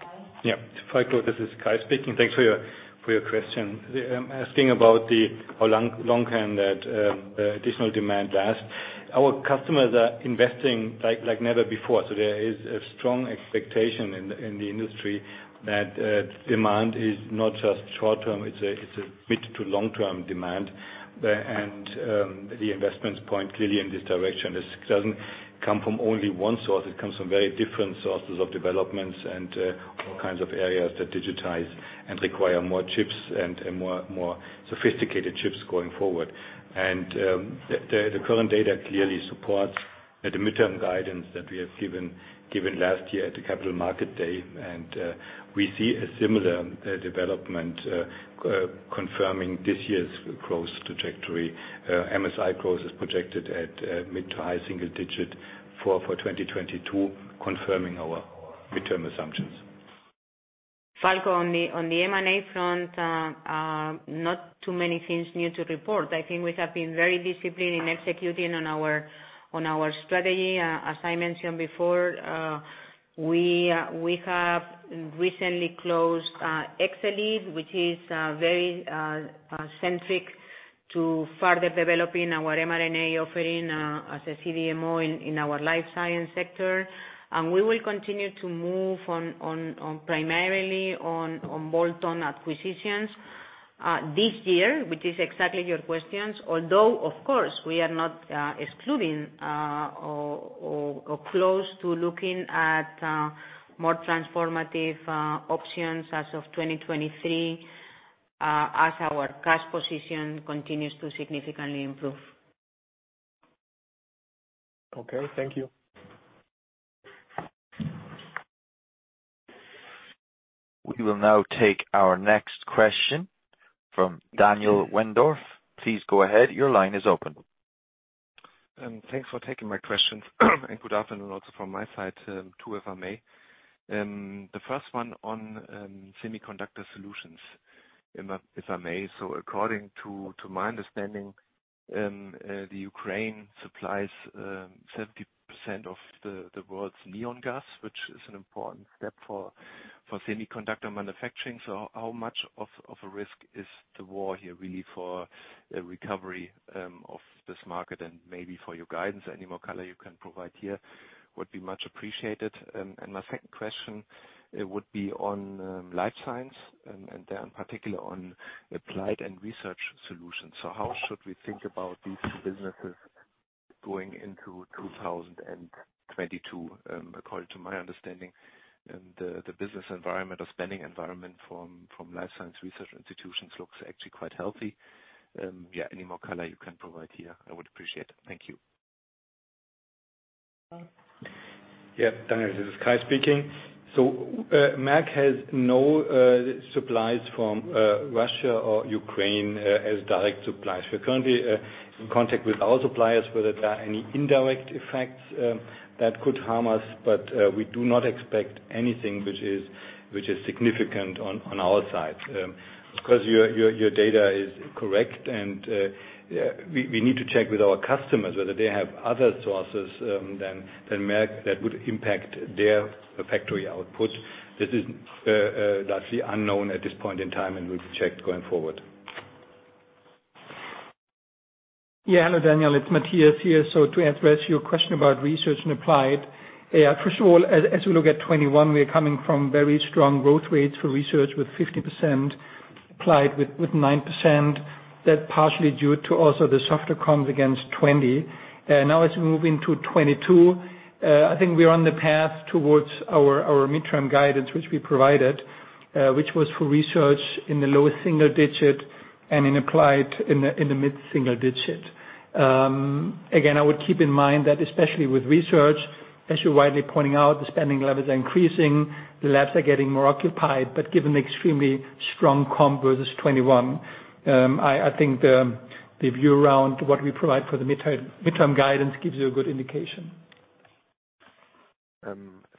Kai? Yeah. Falko, this is Kai speaking. Thanks for your question asking about how long that additional demand lasts long-term. Our customers are investing like never before. There is a strong expectation in the industry that demand is not just short-term, it's a mid- to long-term demand. The investments point clearly in this direction. This doesn't come from only one source, it comes from very different sources of developments and all kinds of areas that digitize and require more chips and more sophisticated chips going forward. The current data clearly supports the mid-term guidance that we have given last year at the Capital Markets Day. We see a similar development confirming this year's growth trajectory. MSI growth is projected at mid- to high-single-digit for 2022, confirming our mid-term assumptions. Falko, on the M&A front, not too many things new to report. I think we have been very disciplined in executing on our strategy. As I mentioned before, we have recently closed Exelead, which is very centric to further developing our mRNA offering, as a CDMO in our Life Science sector. We will continue to move on primarily on bolt-on acquisitions this year, which is exactly your questions. Although, of course, we are not excluding or close to looking at more transformative options as of 2023, as our cash position continues to significantly improve. Okay. Thank you. We will now take our next question from Daniel Wendorff. Please go ahead. Your line is open. Thanks for taking my questions and good afternoon also from my side, two if I may. The first one on Semiconductor Solutions, if I may. According to my understanding, Ukraine supplies 70% of the world's neon gas, which is an important step for semiconductor manufacturing. How much of a risk is the war here really for a recovery of this market and maybe for your guidance? Any more color you can provide here would be much appreciated. My second question would be on Life Science and then particularly on Applied Solutions and Research Solutions. How should we think about these two businesses going into 2022? According to my understanding, the business environment or spending environment from life science research institutions looks actually quite healthy. Yeah, any more color you can provide here, I would appreciate. Thank you. Yeah, Daniel, this is Kai speaking. Merck has no supplies from Russia or Ukraine as direct suppliers. We're currently in contact with our suppliers whether there are any indirect effects that could harm us, but we do not expect anything which is significant on our side. 'Cause your data is correct, and we need to check with our customers whether they have other sources than Merck that would impact their factory outputs. That's the unknown at this point in time, and we'll check going forward. Hello, Daniel. It's Matthias here. To address your question about research and applied, first of all, as we look at 2021, we are coming from very strong growth rates for research with 50% applied with 9%. That's partially due to also the softer comps against 2020. Now as we move into 2022, I think we're on the path towards our mid-term guidance, which we provided, which was for research in the lower single digit and in applied in the mid single digit. Again, I would keep in mind that especially with research, as you're widely pointing out, the spending levels are increasing. The labs are getting more occupied. Given the extremely strong comp versus 21, I think the view around what we provide for the midterm guidance gives you a good indication.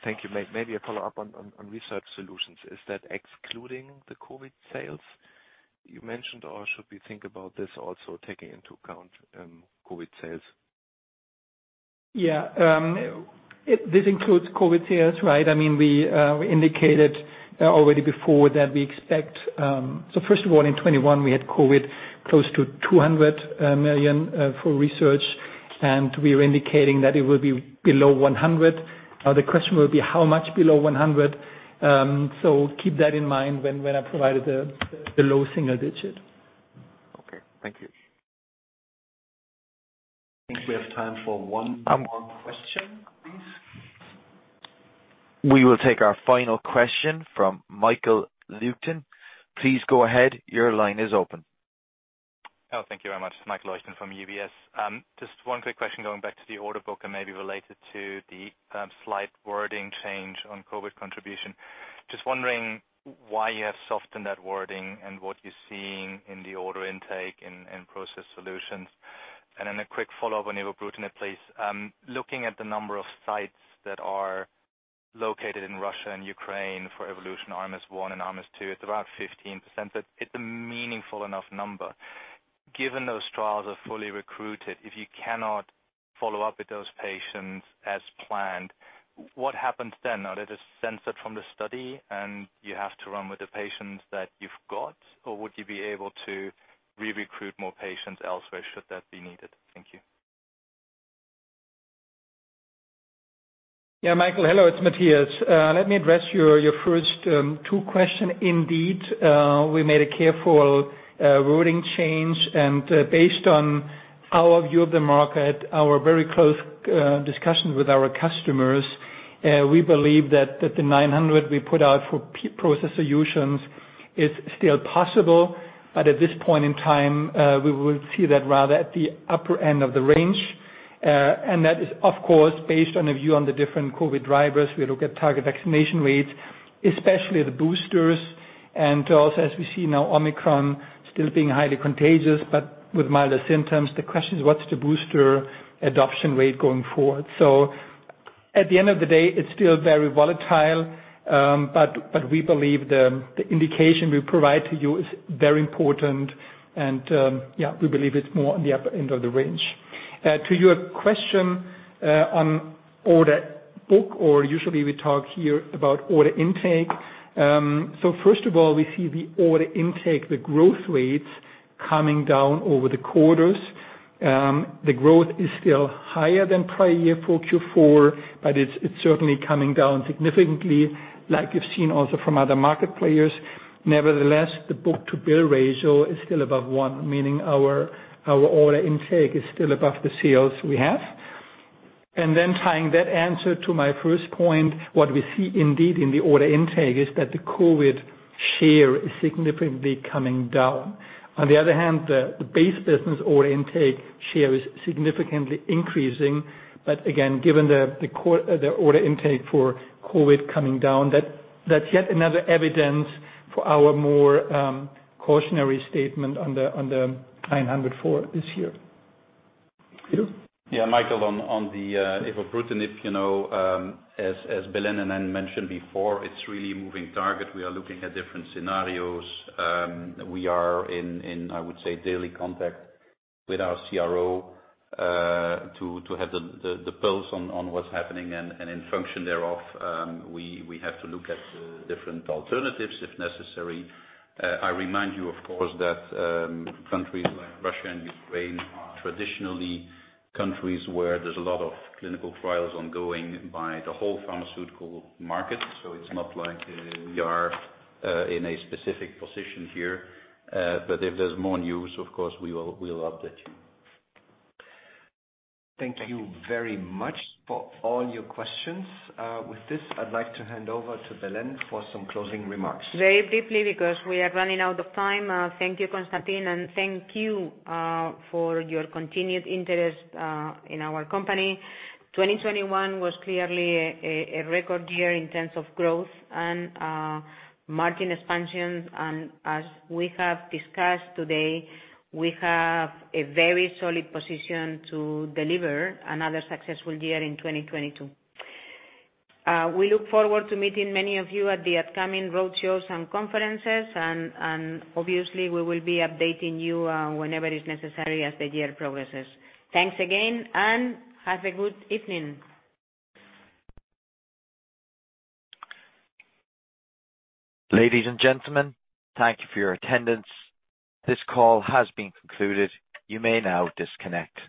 Thank you. Maybe a follow-up on Research Solutions. Is that excluding the COVID sales you mentioned, or should we think about this also taking into account COVID sales? Yeah. This includes COVID sales, right? I mean, we indicated already before that we expect. First of all, in 2021 we had COVID close to 200 million for research, and we were indicating that it will be below 100 million. The question will be how much below 100 million. Keep that in mind when I provided the low single-digit. Okay. Thank you. I think we have time for one more question, please. We will take our final question from Michael Leuchten. Please go ahead. Your line is open. Oh, thank you very much. It's Michael Leuchten from UBS. Just one quick question going back to the order book and maybe related to the slight wording change on COVID contribution. Just wondering why you have softened that wording and what you're seeing in the order intake and Process Solutions. Then a quick follow-up on Evobrutinib, please. Looking at the number of sites that are located in Russia and Ukraine for evolution RMS arms one and arms two, it's about 15%. It's a meaningful enough number. Given those trials are fully recruited, if you cannot follow up with those patients as planned, what happens then? Are they just censored from the study and you have to run with the patients that you've got, or would you be able to recruit more patients elsewhere should that be needed? Thank you. Yeah, Michael. Hello, it's Matthias. Let me address your first two questions. Indeed, we made a careful wording change and, based on our view of the market, our very close discussions with our customers, we believe that the 900 million we put out for Process Solutions is still possible. At this point in time, we would see that rather at the upper end of the range. That is of course based on a view on the different COVID drivers. We look at target vaccination rates, especially the boosters, and also as we see now, Omicron still being highly contagious but with milder symptoms. The question is what's the booster adoption rate going forward. At the end of the day, it's still very volatile, but we believe the indication we provide to you is very important and, yeah, we believe it's more on the upper end of the range. To your question, on order book or usually we talk here about order intake. First of all, we see the order intake, the growth rates coming down over the quarters. The growth is still higher than prior year for Q4, but it's certainly coming down significantly like you've seen also from other market players. Nevertheless, the book-to-bill ratio is still above one, meaning our order intake is still above the sales we have. Then tying that answer to my first point, what we see indeed in the order intake is that the COVID share is significantly coming down. On the other hand, the base business order intake share is significantly increasing, but again, given the order intake for COVID coming down, that's yet another evidence for our more cautionary statement on the 900 for this year. Peter? Yeah, Michael, on the Evobrutinib, you know, as Belén and I mentioned before, it's really a moving target. We are looking at different scenarios. We are in, I would say, daily contact with our CRO to have the pulse on what's happening. In function thereof, we have to look at different alternatives if necessary. I remind you of course that countries like Russia and Ukraine are traditionally countries where there's a lot of clinical trials ongoing by the whole pharmaceutical market. So it's not like we are in a specific position here. But if there's more news, of course we will update you. Thank you very much for all your questions. With this, I'd like to hand over to Belén for some closing remarks. Very briefly, because we are running out of time, thank you, Constantin, and thank you for your continued interest in our company. 2021 was clearly a record year in terms of growth and margin expansion. As we have discussed today, we have a very solid position to deliver another successful year in 2022. We look forward to meeting many of you at the upcoming roadshows and conferences and obviously we will be updating you whenever is necessary as the year progresses. Thanks again, and have a good evening. Ladies and gentlemen, thank you for your attendance. This call has been concluded. You may now disconnect.